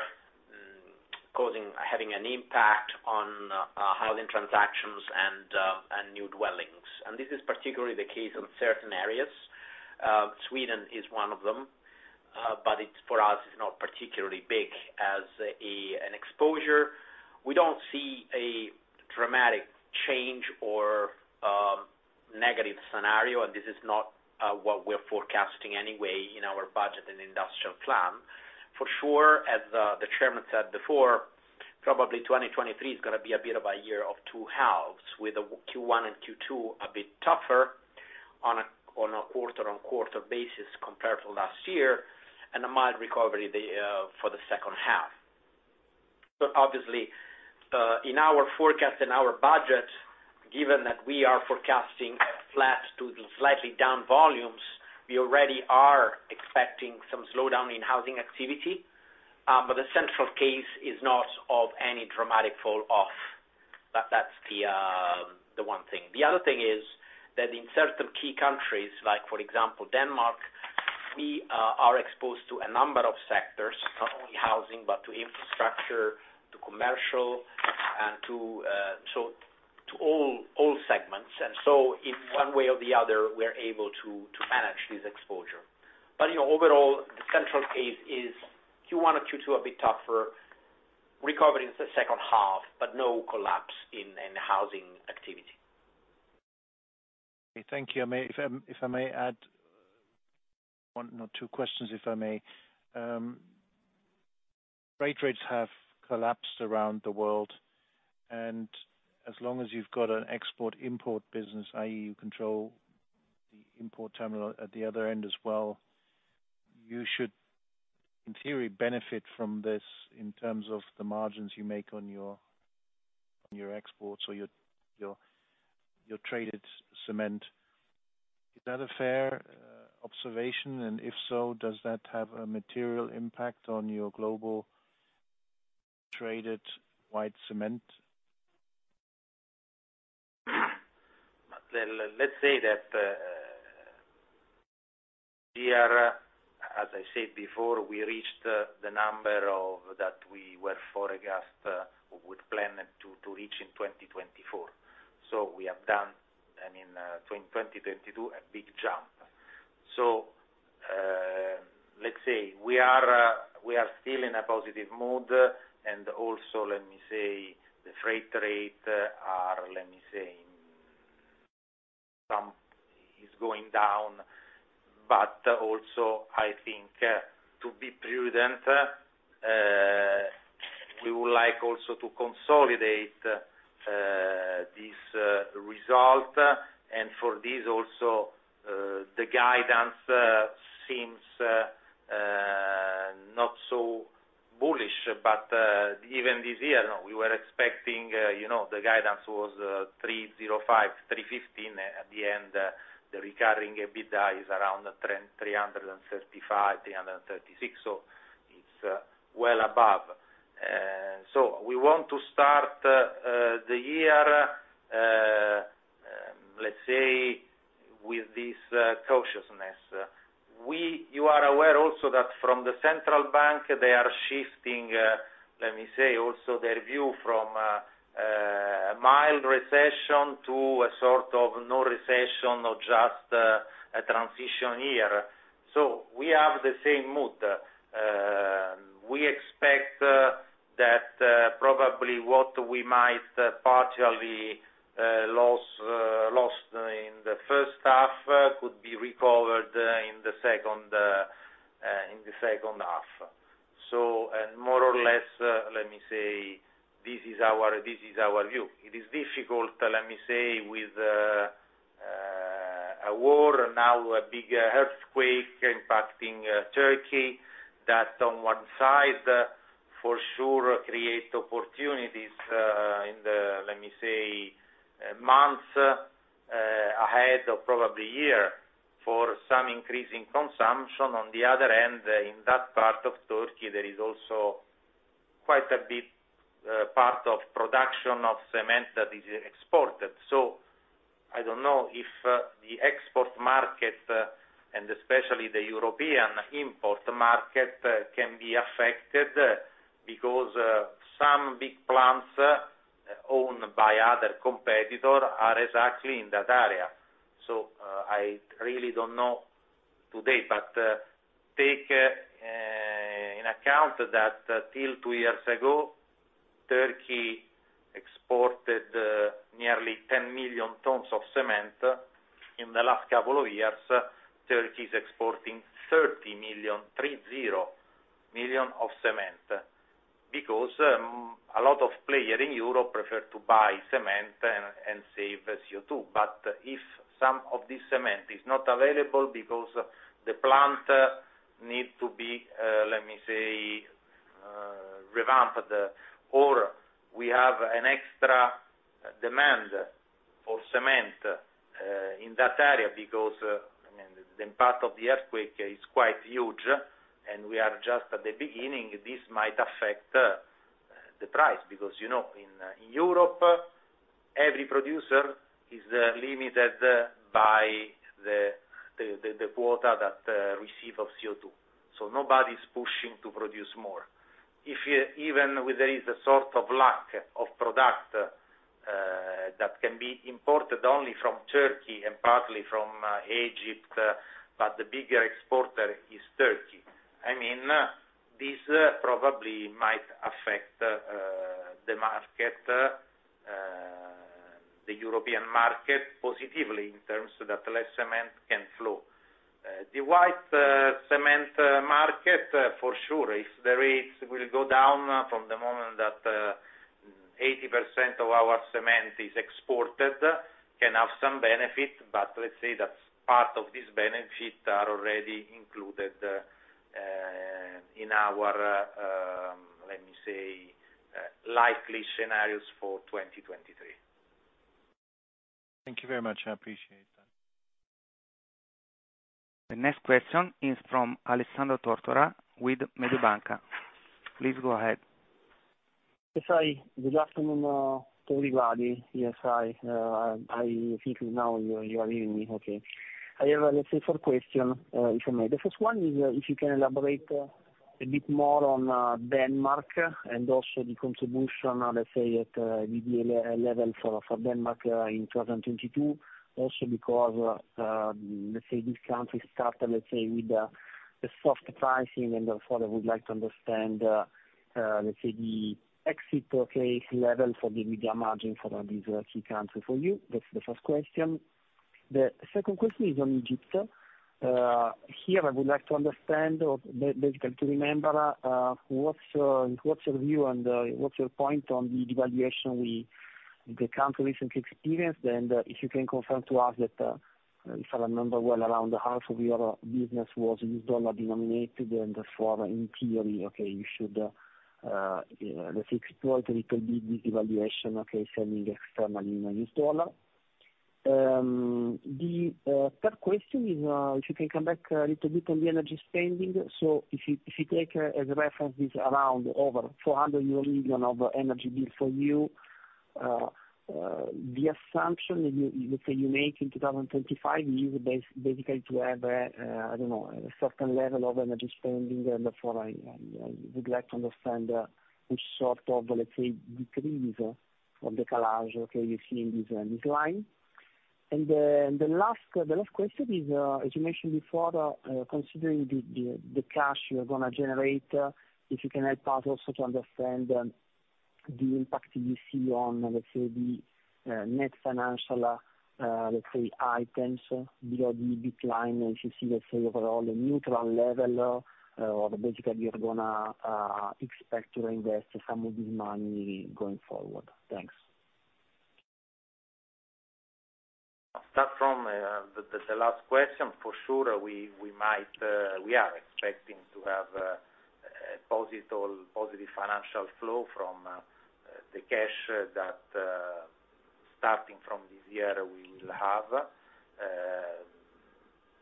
having an impact on housing transactions and new dwellings. This is particularly the case in certain areas. Sweden is one of them. It's, for us, it's not particularly big as an exposure. We don't see a dramatic change or negative scenario, and this is not what we're forecasting anyway in our budget and industrial plan. For sure, as the chairman said before, probably 2023 is gonna be a bit of a year of two halves, with Q1 and Q2 a bit tougher on a quarter-on-quarter basis compared to last year, and a mild recovery for the second half. Obviously, in our forecast and our budget, given that we are forecasting flat to slightly down volumes, we already are expecting some slowdown in housing activity. The central case is not of any dramatic fall off. That's the one thing. The other thing is that in certain key countries, like for example, Denmark, we are exposed to a number of sectors, not only housing, but to infrastructure, to commercial, and to all segments. In one way or the other, we're able to manage this exposure. You know, overall, the central case is Q1 and Q2 a bit tougher, recovery in the second half, but no collapse in housing activity. Okay, thank you. I may, if I may add one or two questions, if I may. Freight rates have collapsed around the world, and as long as you've got an export-import business, i.e. you control the import terminal at the other end as well, you should, in theory, benefit from this in terms of the margins you make on your exports or your traded cement. Is that a fair observation? If so, does that have a material impact on your global traded white cement? Well, let's say that here, as I said before, we reached the number of... that we were forecast or would plan to reach in 2024. We have done, I mean, in 2022, a big jump. Let's say we are, we are still in a positive mood, and also, let me say, the freight rate are, let me say, some is going down. Also, I think, to be prudent, we would like also to consolidate this result. For this also, the guidance seems not so bullish. Even this year, you know, we were expecting, you know, the guidance was 305-315. At the end, the recurring EBITDA is around 335-336. It's well above. We want to start the year with this cautiousness. You are aware also that from the central bank, they are shifting also their view from a mild recession to a sort of no recession or just a transition year. We have the same mood. We expect that probably what we might partially lose in the first half could be recovered in the second in the second half. More or less this is our view. It is difficult, let me say, with a war, now a big earthquake impacting Turkey, that on one side for sure create opportunities in the, let me say, month ahead or probably year for some increase in consumption. On the other hand, in that part of Turkey, there is also quite a big part of production of cement that is exported. I don't know if the export market and especially the European import market can be affected because some big plants owned by other competitor are exactly in that area. I really don't know today. Take in account that until two years ago, Turkey exported nearly 10 million tons of cement. In the last couple of years, Turkey's exporting 30 million, 30 million, of cement. Because a lot of player in Europe prefer to buy cement and save CO2. If some of this cement is not available because the plant need to be, let me say, revamped, or we have an extra demand for cement in that area because, I mean, the impact of the earthquake is quite huge, and we are just at the beginning, this might affect the price. Because, you know, in Europe, every producer is limited by the quarter that receive of CO2. Nobody's pushing to produce more. If even there is a sort of lack of product that can be imported only from Turkey and partly from Egypt, but the bigger exporter is Turkey. I mean, this probably might affect the market, the European market positively in terms so that less cement can flow. The white cement market for sure, if the rates will go down from the moment that 80% of our cement is exported, can have some benefit, but let's say that's part of this benefit are already included in our, let me say, likely scenarios for 2023. Thank you very much. I appreciate that. The next question is from Alessandro Tortora with Mediobanca. Please go ahead. Yes, hi. Good afternoon to everybody. Yes, hi. I think now you are hearing me okay. I have, let's say, four question if I may. The first one is if you can elaborate a bit more on Denmark and also the contribution, let's say, at EBITDA level for Denmark in 2022. Also because let's say this country started let's say with a soft pricing and therefore I would like to understand let's say the exit price level for the EBITDA margin for this key country for you. That's the first question. The second question is on Egypt. Here, I would like to understand or basically to remember what's your view and what's your point on the devaluation the country recent experienced. If you can confirm to us that, if I remember well, around half of your business was U.S. dollar denominated, and therefore, in theory, okay, you should, let's say, exploit a little bit this devaluation, okay, selling externally in U.S. dollar. The third question is, if you can come back a little bit on the energy spending. If you, if you take as a reference this around over 400 million euro of energy bill for you, the assumption you, let's say, you make in 2025 is basically to have a, I don't know, a certain level of energy spending. Therefore, I would like to understand which sort of, let's say, decrease from the collage, okay, you see in this line. The last question is, as you mentioned before, considering the cash you're gonna generate, if you can help us also to understand the impact you see on, let's say, the net financial, let's say, items below the decline. If you see, let's say, overall the neutral level, or basically you're gonna expect to invest some of this money going forward. Thanks. Start from the last question. For sure, we might, we are expecting to have a positive financial flow from the cash that starting from this year we will have.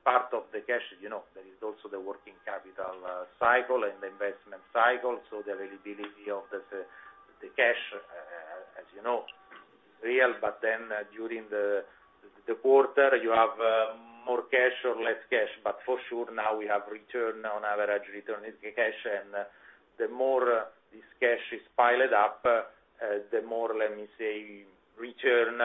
Part of the cash, you know, there is also the working capital cycle and the investment cycle. The availability of this the cash, as you know, real, but during the quarter, you have more cash or less cash. For sure, now we have return on average, return on cash. The more this cash is piled up, the more, let me say, return,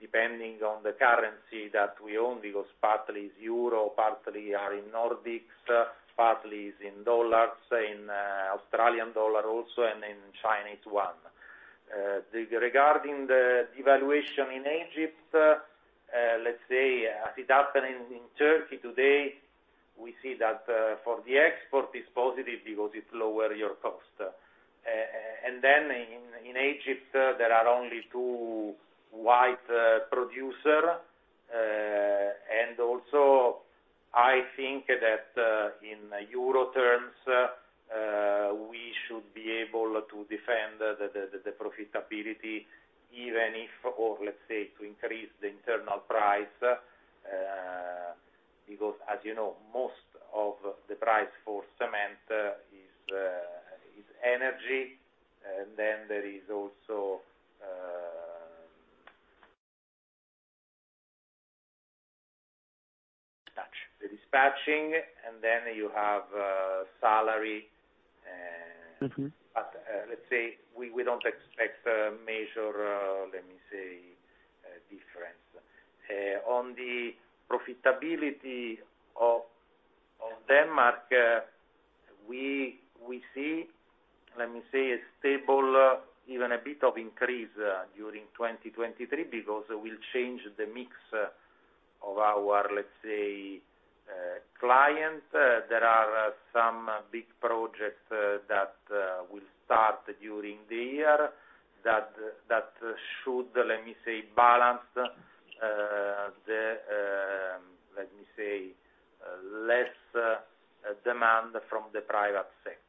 depending on the currency that we own, because partly is Euro, partly are in Nordics, partly is in dollars, in Australian dollar also, and in Chinese yuan. Regarding the devaluation in Egypt, let's say as it happened in Turkey today, we see that for the export it's positive because it lower your cost. In Egypt, there are only two white producer. Also, I think that in euro terms, we should be able to defend the profitability even if or let's say to increase the internal price, because as you know, most of the price for cement is energy. There is also. Dispatch. The dispatching, and then you have, salary. Mm-hmm. Let's say we don't expect major, let me say, difference. On the profitability of Denmark, we see, let me say, a stable, even a bit of increase during 2023 because we'll change the mix of our, let's say, clients. There are some big projects that will start during the year that should, let me say, balance the, let me say, less demand from the private sector.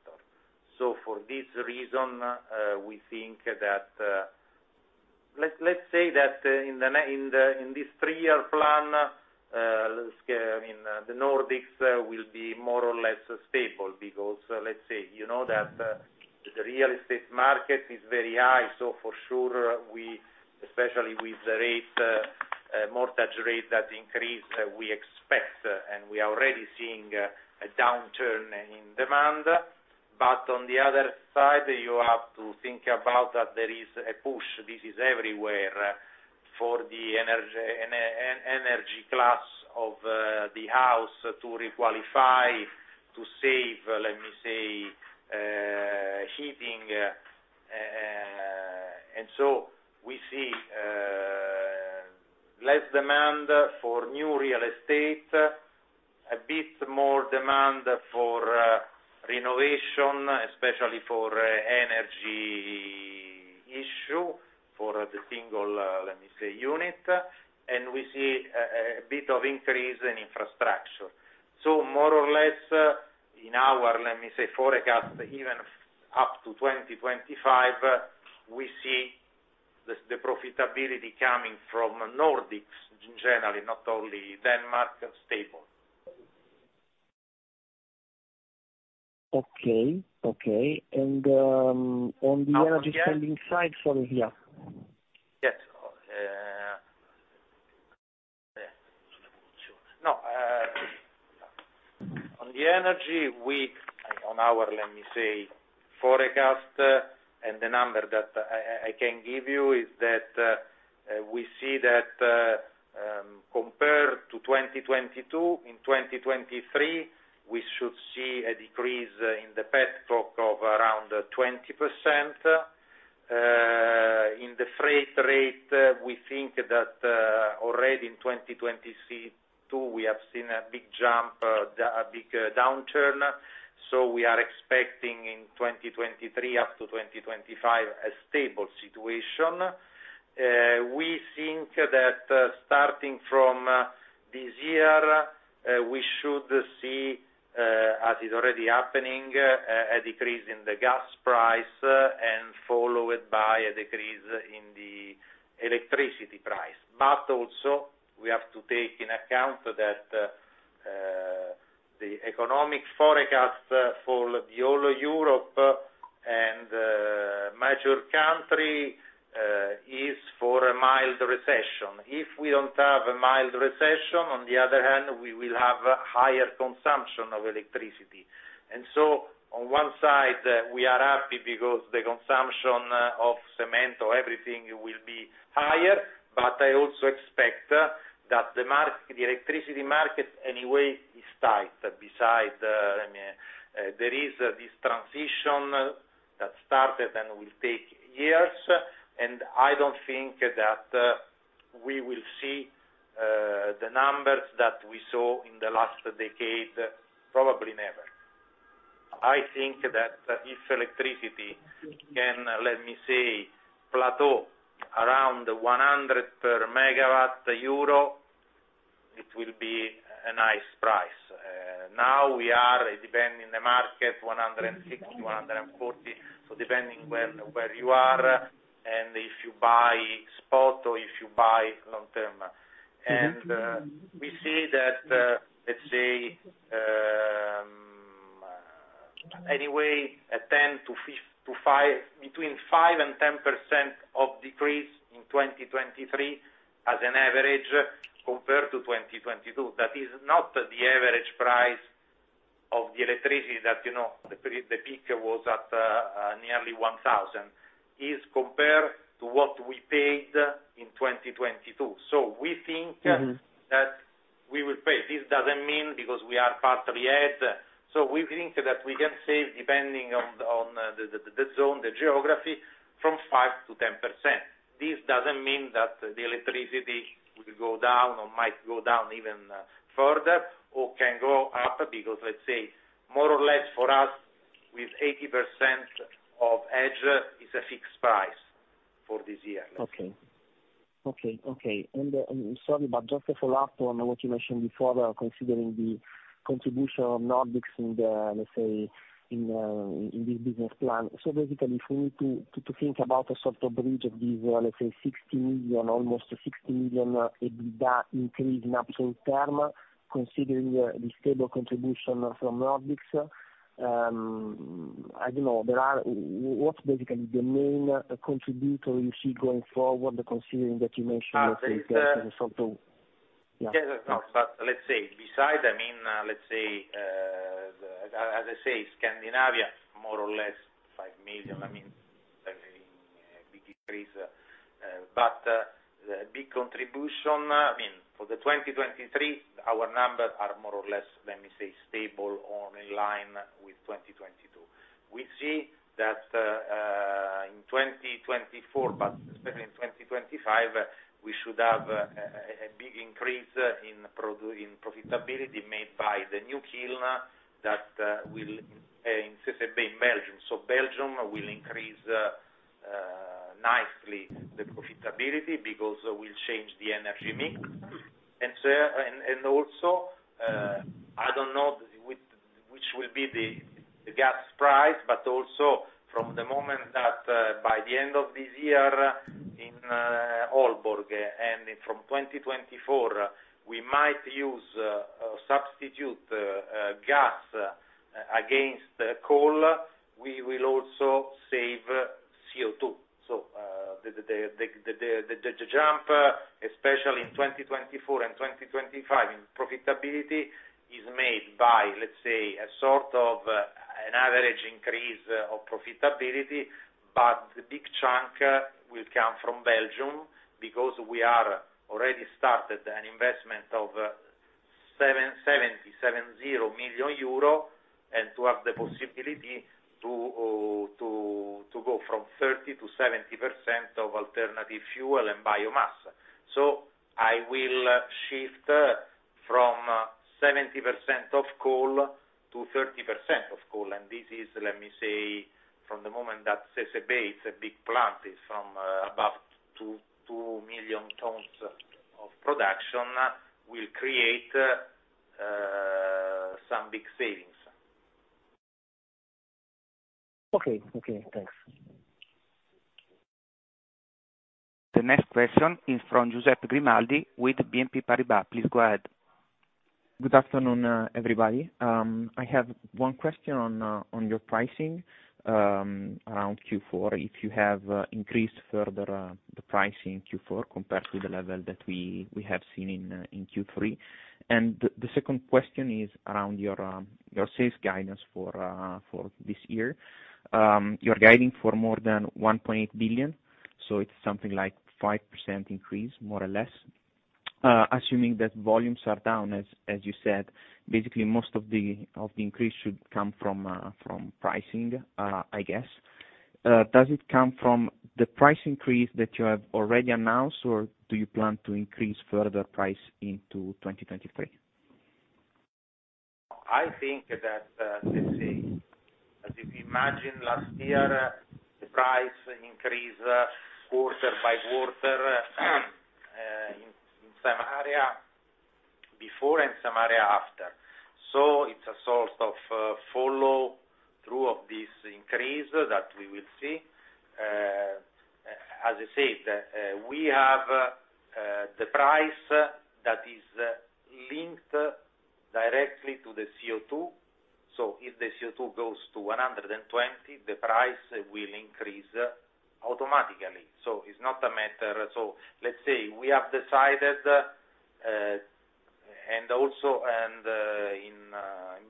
For this reason, we think that. Let's, let's say that in the, in this three-year plan, let's say, I mean, the Nordics will be more or less stable because let's say you know that the real estate market is very high. For sure we, especially with the rate, mortgage rate that increased, we expect and we are already seeing a downturn in demand. On the other side, you have to think about that there is a push, this is everywhere, for the energy class of the house to re-qualify, to save, let me say, heating. We see less demand for new real estate, a bit more demand for renovation, especially for energy issue, for the single, let me say, unit, and we see a bit of increase in infrastructure. More or less, in our, let me say, forecast, even up to 2025, we see the profitability coming from Nordics in general, not only Denmark, stable. Okay. Okay. On the energy standing side... Sorry, yeah. Yes. No, on the energy we. On our, let me say, forecast, and the number that I can give you is that, we see that, compared to 2022, in 2023, we should see a decrease in the petcoke of around 20%. In the freight rate, we think that, already in 2022, we have seen a big jump, a big downturn, so we are expecting in 2023 up to 2025 a stable situation. We think that starting from this year, we should see, as is already happening, a decrease in the gas price, and followed by a decrease in the electricity price. Also, we have to take in account that, the economic forecast for the all Europe and major country, is for a mild recession. If we don't have a mild recession, on the other hand, we will have higher consumption of electricity. On one side, we are happy because the consumption of cement or everything will be higher, but I also expect that the market, the electricity market, anyway, is tight. Besides, I mean, there is this transition that started and will take years, and I don't think that we will see the numbers that we saw in the last decade, probably never. I think that if electricity can, let me say, plateau around 100 per megawatt, it will be a nice price. Now we are depending the market, 160, 140, so depending when, where you are and if you buy spot or if you buy long term. We see that, between 5% and 10% decrease in 2023 as an average compared to 2022. That is not the average price of the electricity that, you know, the peak was at nearly 1,000. It's compared to what we paid in 2022. We think. Mm-hmm. That we will pay. This doesn't mean because we are part of the head. We think that we can save, depending on the zone, the geography, from 5% to 10%. This doesn't mean that the electricity will go down or might go down even further or can go up, because let's say more or less for us, with 80% of edge, is a fixed price for this year. Okay. Okay. Sorry, but just a follow-up on what you mentioned before, considering the contribution of Nordics in the, let's say, in this business plan. For me to think about a sort of bridge of these, let's say 60 million, almost 60 million EBITDA increase in absolute term, considering the stable contribution from Nordics, what's basically the main contributor you see going forward, considering that you mentioned Yeah? Yes. No. Let's say beside, I mean, let's say, the... As I say, Scandinavia, more or less 5 million, I mean, a big increase. The big contribution, I mean, for 2023, our numbers are more or less, let me say, stable or in line with 2022. We see that in 2024, but especially in 2025, we should have a big increase in profitability made by the new kiln that will in CCB in Belgium. Belgium will increase nicely the profitability because we'll change the energy mix. Also, I don't know which will be the gas price, but also from the moment that, by the end of this year in Aalborg, and from 2024, we might use substitute gas against coal, we will also save CO2. The jump, especially in 2024 and 2025 in profitability is made by, let's say, a sort of an average increase of profitability, but the big chunk will come from Belgium because we are already started an investment of 770 million euro, and to have the possibility to go from 30% to 70% of alternative fuel and biomass. I will shift from 70% of coal to 30% of coal. This is, let me say, from the moment that CCB, it's a big plant, is from, about 2 million tons of production, we create, some big savings. Okay. Okay. Thanks. The next question is from Joseph Grimaldi with BNP Paribas. Please go ahead. Good afternoon, everybody. I have one question on your pricing, around Q4, if you have increased further the pricing in Q4 compared to the level that we have seen in Q3. The second question is around your sales guidance for this year. You're guiding for more than 1.8 billion, so it's something like 5% increase, more or less. Assuming that volumes are down as you said, basically most of the increase should come from pricing, I guess. Does it come from the price increase that you have already announced, or do you plan to increase further price into 2023? I think that, let's say, if you imagine last year, the price increase quarter by quarter, in some area before and some area after. It's a sort of, follow through of this increase that we will see. As I said, we have the price that is linked directly to the CO2. If the CO2 goes to 120, the price will increase automatically. It's not a matter... Let's say we have decided, and also in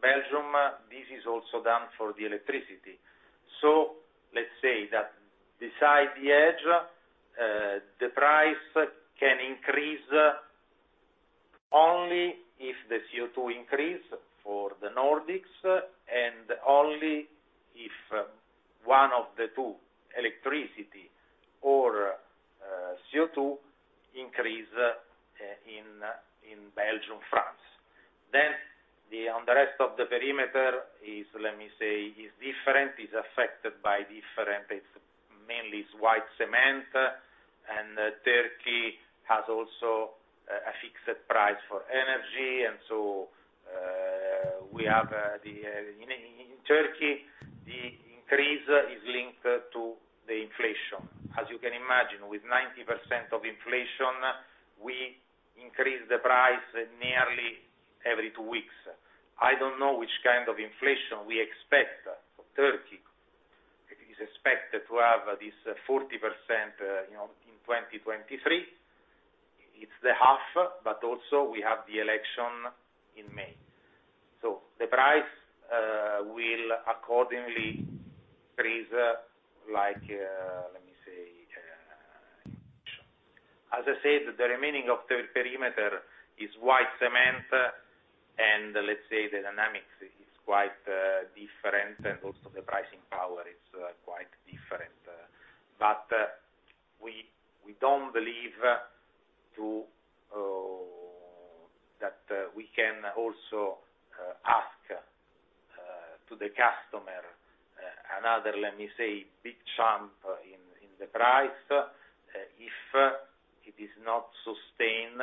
Belgium, this is also done for the electricity. Let's say that beside the edge, the price can increase only if the CO2 increase for the Nordics, and only if one of the two, electricity or CO2 increase, in Belgium, France. Then on the rest of the perimeter is, let me say, is different, is affected by different. It's mainly is white cement, and Turkey has also a fixed price for energy. In Turkey, the increase is linked to the inflation. As you can imagine, with 90% of inflation, we increase the price nearly every two weeks. I don't know which kind of inflation we expect for Turkey. It is expected to have this 40%, you know, in 2023. It's the half, we have the election in May. The price will accordingly freeze like, let me say. As I said, the remaining of the perimeter is white cement, let's say the dynamics is quite different and also the pricing power is quite different. But we don't believe to, uh, that, uh, we can also, uh, ask, uh, to the customer, uh, another, let me say, big jump in the price, uh, if it is not sustained,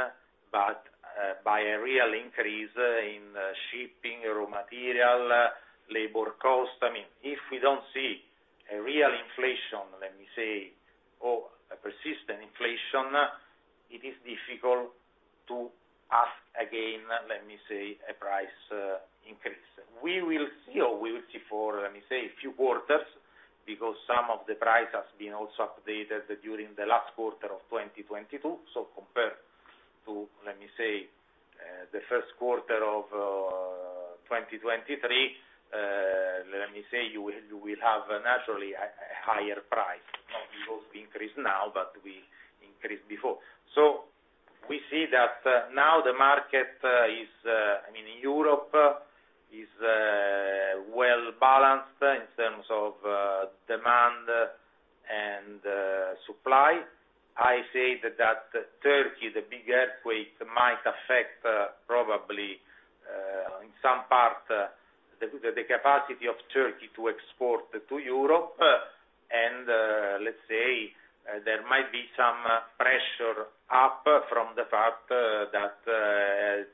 but, uh, by a real increase in shipping, raw material, labor cost. I mean, if we don't see a real inflation, let me say, or a persistent inflation, it is difficult to ask again, let me say, a price, uh, increase. We will see or we will see for, let me say, a few quarters because some of the price has been also updated during the last quarter of 2022. So compared to, let me say, uh, the first quarter of, uh, 2023, uh, let me say, you will, you will have naturally a higher price. Not because we increase now, but we increased before. We see that, now the market, I mean, in Europe is well balanced in terms of demand and supply. I say that that Turkey, the big earthquake might affect probably, in some part, the capacity of Turkey to export to Europe. Let's say, there might be some pressure up from the fact that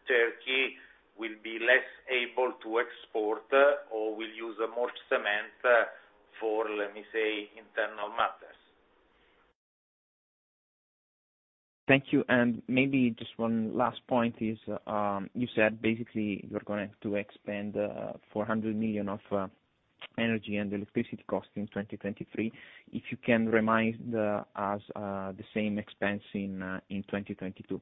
Turkey will be less able to export or will use more cement for, let me say, internal matters. Thank you. Maybe just one last point is, you said basically you're going to expend 400 million of energy and electricity costs in 2023. If you can remind us, the same expense in 2022?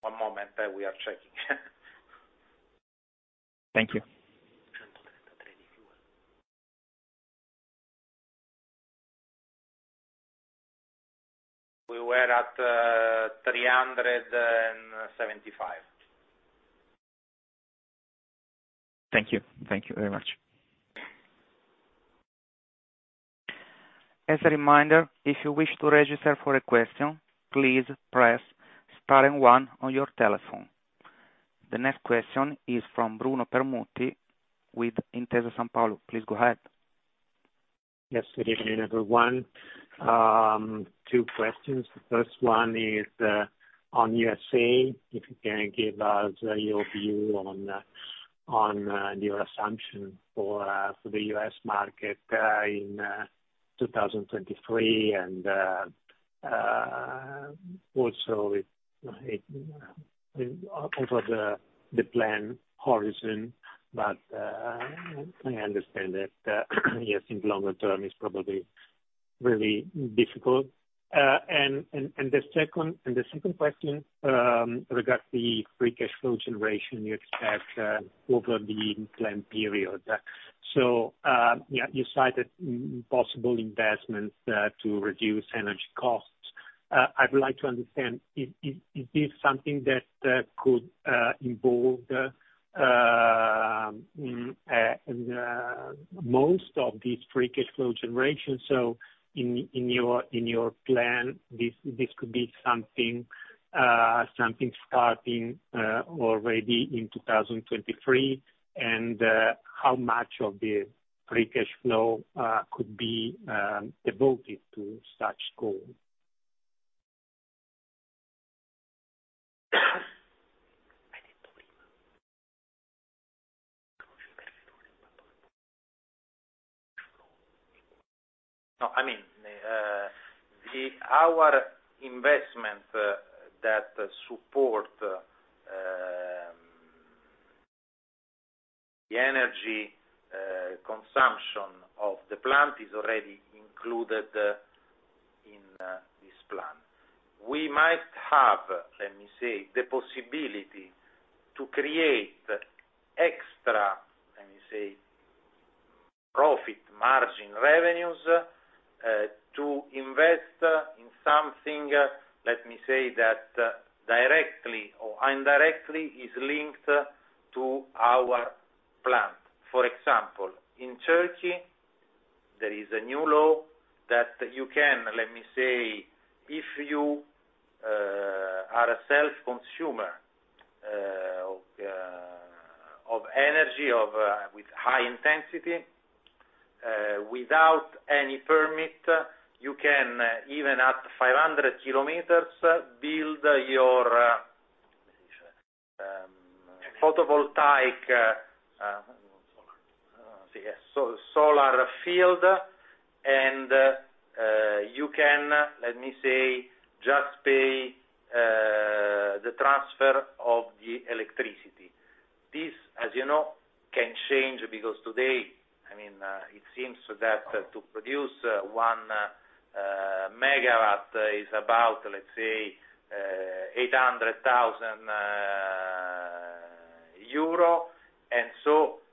One moment. We are checking. Thank you. We were at EUR 375 million. Thank you. Thank you very much. As a reminder, if you wish to register for a question, please press star and one on your telephone. The next question is from Bruno Permutti with Intesa Sanpaolo. Please go ahead. Yes. Good evening, everyone. Two questions. First one is on USA. If you can give us your view on your assumption for the U.S. market in 2023, and also if over the plan horizon? I understand that, yes, in longer term it's probably really difficult. The second question regards the free cash flow generation you expect over the planned period. You cited possible investments to reduce energy costs. I would like to understand, is this something that could involve most of these free cash flow generations? In your plan, this could be something starting already in 2023. How much of the free cash flow could be devoted to such goal? No, I mean, our investment that support the energy consumption of the plant is already included in this plan. We might have, let me say, the possibility to create extra, let me say, profit margin revenues to invest in something, let me say that directly or indirectly is linked to our plan. In Turkey, there is a new law that you can, let me say, if you are a self-consumer of energy with high intensity, without any permit, you can, even at 500 km, build your photovoltaic solar field, and you can, let me say, just pay the transfer of the electricity. This, as you know, can change because today, I mean, it seems that to produce 1 megawatt is about, let's say, EUR 800,000.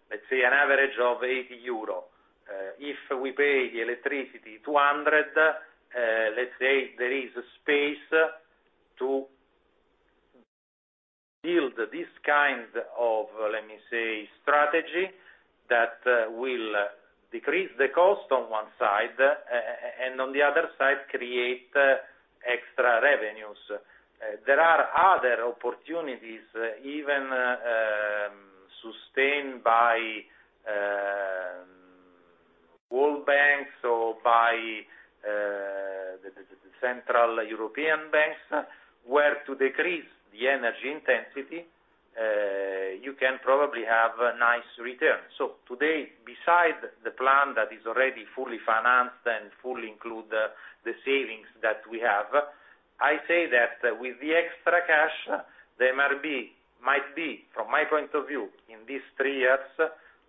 Let's say an average of 80 euro. If we pay the electricity 200, let's say there is a space to build this kind of, let me say, strategy that will decrease the cost on one side, and on the other side, create extra revenues. There are other opportunities, even sustained by world banks or by the central European banks, where to decrease the energy intensity, you can probably have a nice return. Today, beside the plan that is already fully financed and fully include the savings that we have, I say that with the extra cash, there might be, from my point of view, in these three years,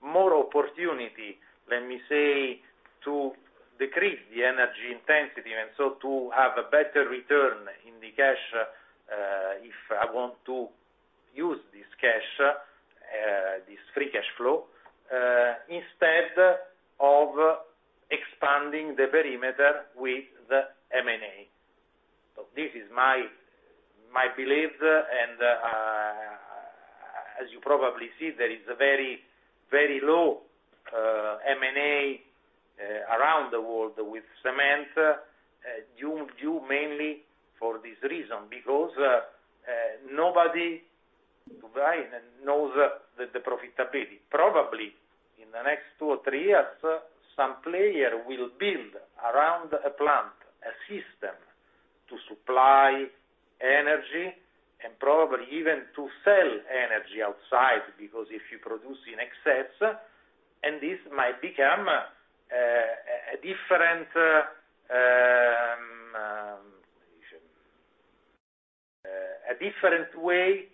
more opportunity, let me say, to decrease the energy intensity, and so to have a better return in the cash, if I want to use this cash, this free cash flow instead of expanding the perimeter with the M&A. This is my belief. As you probably see, there is a very low M&A around the world with cement, due mainly for this reason, because nobody to buy knows the profitability. Probably in the next two or three years, some player will build around a plant, a system supply energy, and probably even to sell energy outside, because if you produce in excess, and this might become a different way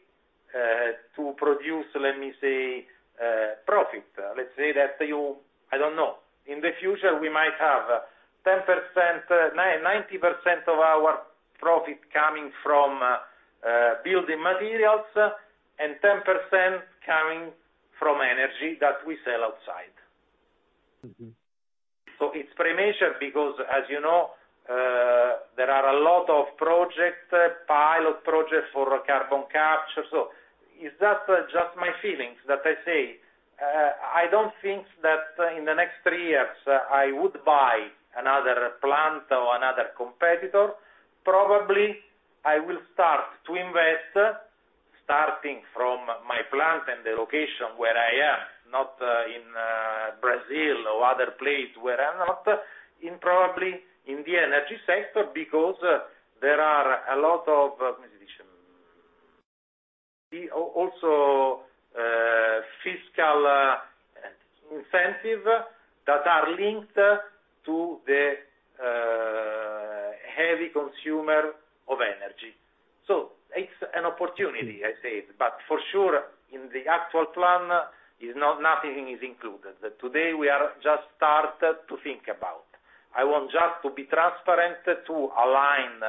to produce, let me say, profit. Let's say that you... I don't know. In the future, we might have 10%, 90% of our profit coming from building materials and 10% coming from energy that we sell outside. It's premature because as you know, there are a lot of projects, pilot projects for carbon capture. Is that just my feelings that I say, I don't think that in the next three years, I would buy another plant or another competitor. Probably, I will start to invest, starting from my plant and the location where I am, not in Brazil or other place where I'm not, probably in the energy sector because there are a lot of Also fiscal incentive that are linked to the heavy consumer of energy. It's an opportunity, I say. For sure in the actual plan nothing is included. Today we are just start to think about. I want just to be transparent to align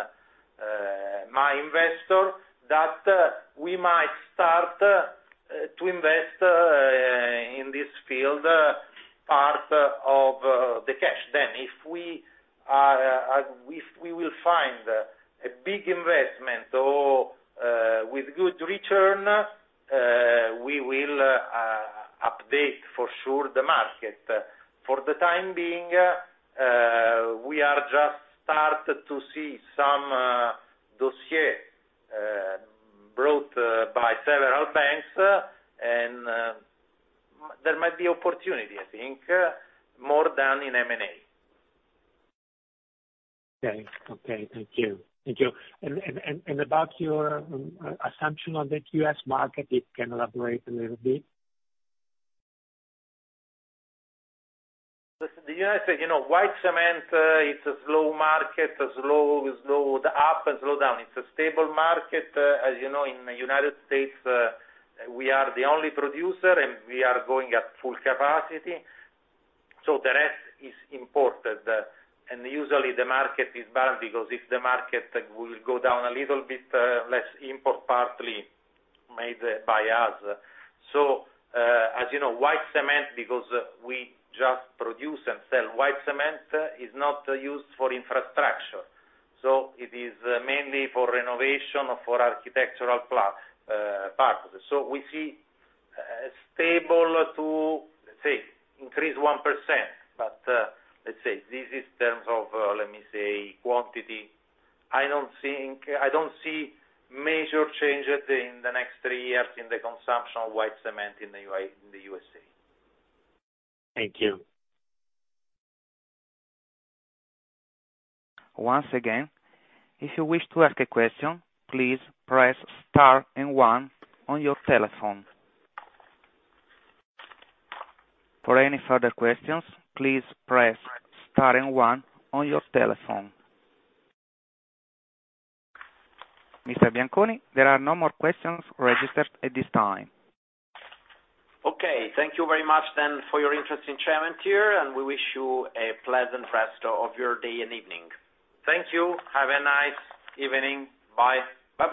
my investor that we might start to invest in this field, part of the cash. If we are, if we will find a big investment or with good return, we will update for sure the market. For the time being, we are just start to see some dossier brought by several banks, and there might be opportunity, I think, more than in M&A. Okay. Okay, thank you. Thank you. About your assumption on the U.S. market, it can operate a little bit. The United States, you know, white cement, is a slow market, a slow up and slow down. It's a stable market. As you know, in the United States, we are the only producer, and we are going at full capacity. The rest is imported. Usually the market is bad because if the market will go down a little bit, less import partly made by us. As you know, white cement, because we just produce and sell white cement, is not used for infrastructure. It is mainly for renovation or for architectural purpose. We see stable to, let's say, increase 1%. Let's say, this is terms of, let me say, quantity. I don't see major changes in the next three years in the consumption of white cement in the U.S.A. Thank you. Once again, if you wish to ask a question, please press star and one on your telephone. For any further questions, please press star and one on your telephone. Mr. Bianconi, there are no more questions registered at this time. Okay. Thank you very much then for your interest in Cementir, and we wish you a pleasant rest of your day and evening. Thank you. Have a nice evening. Bye.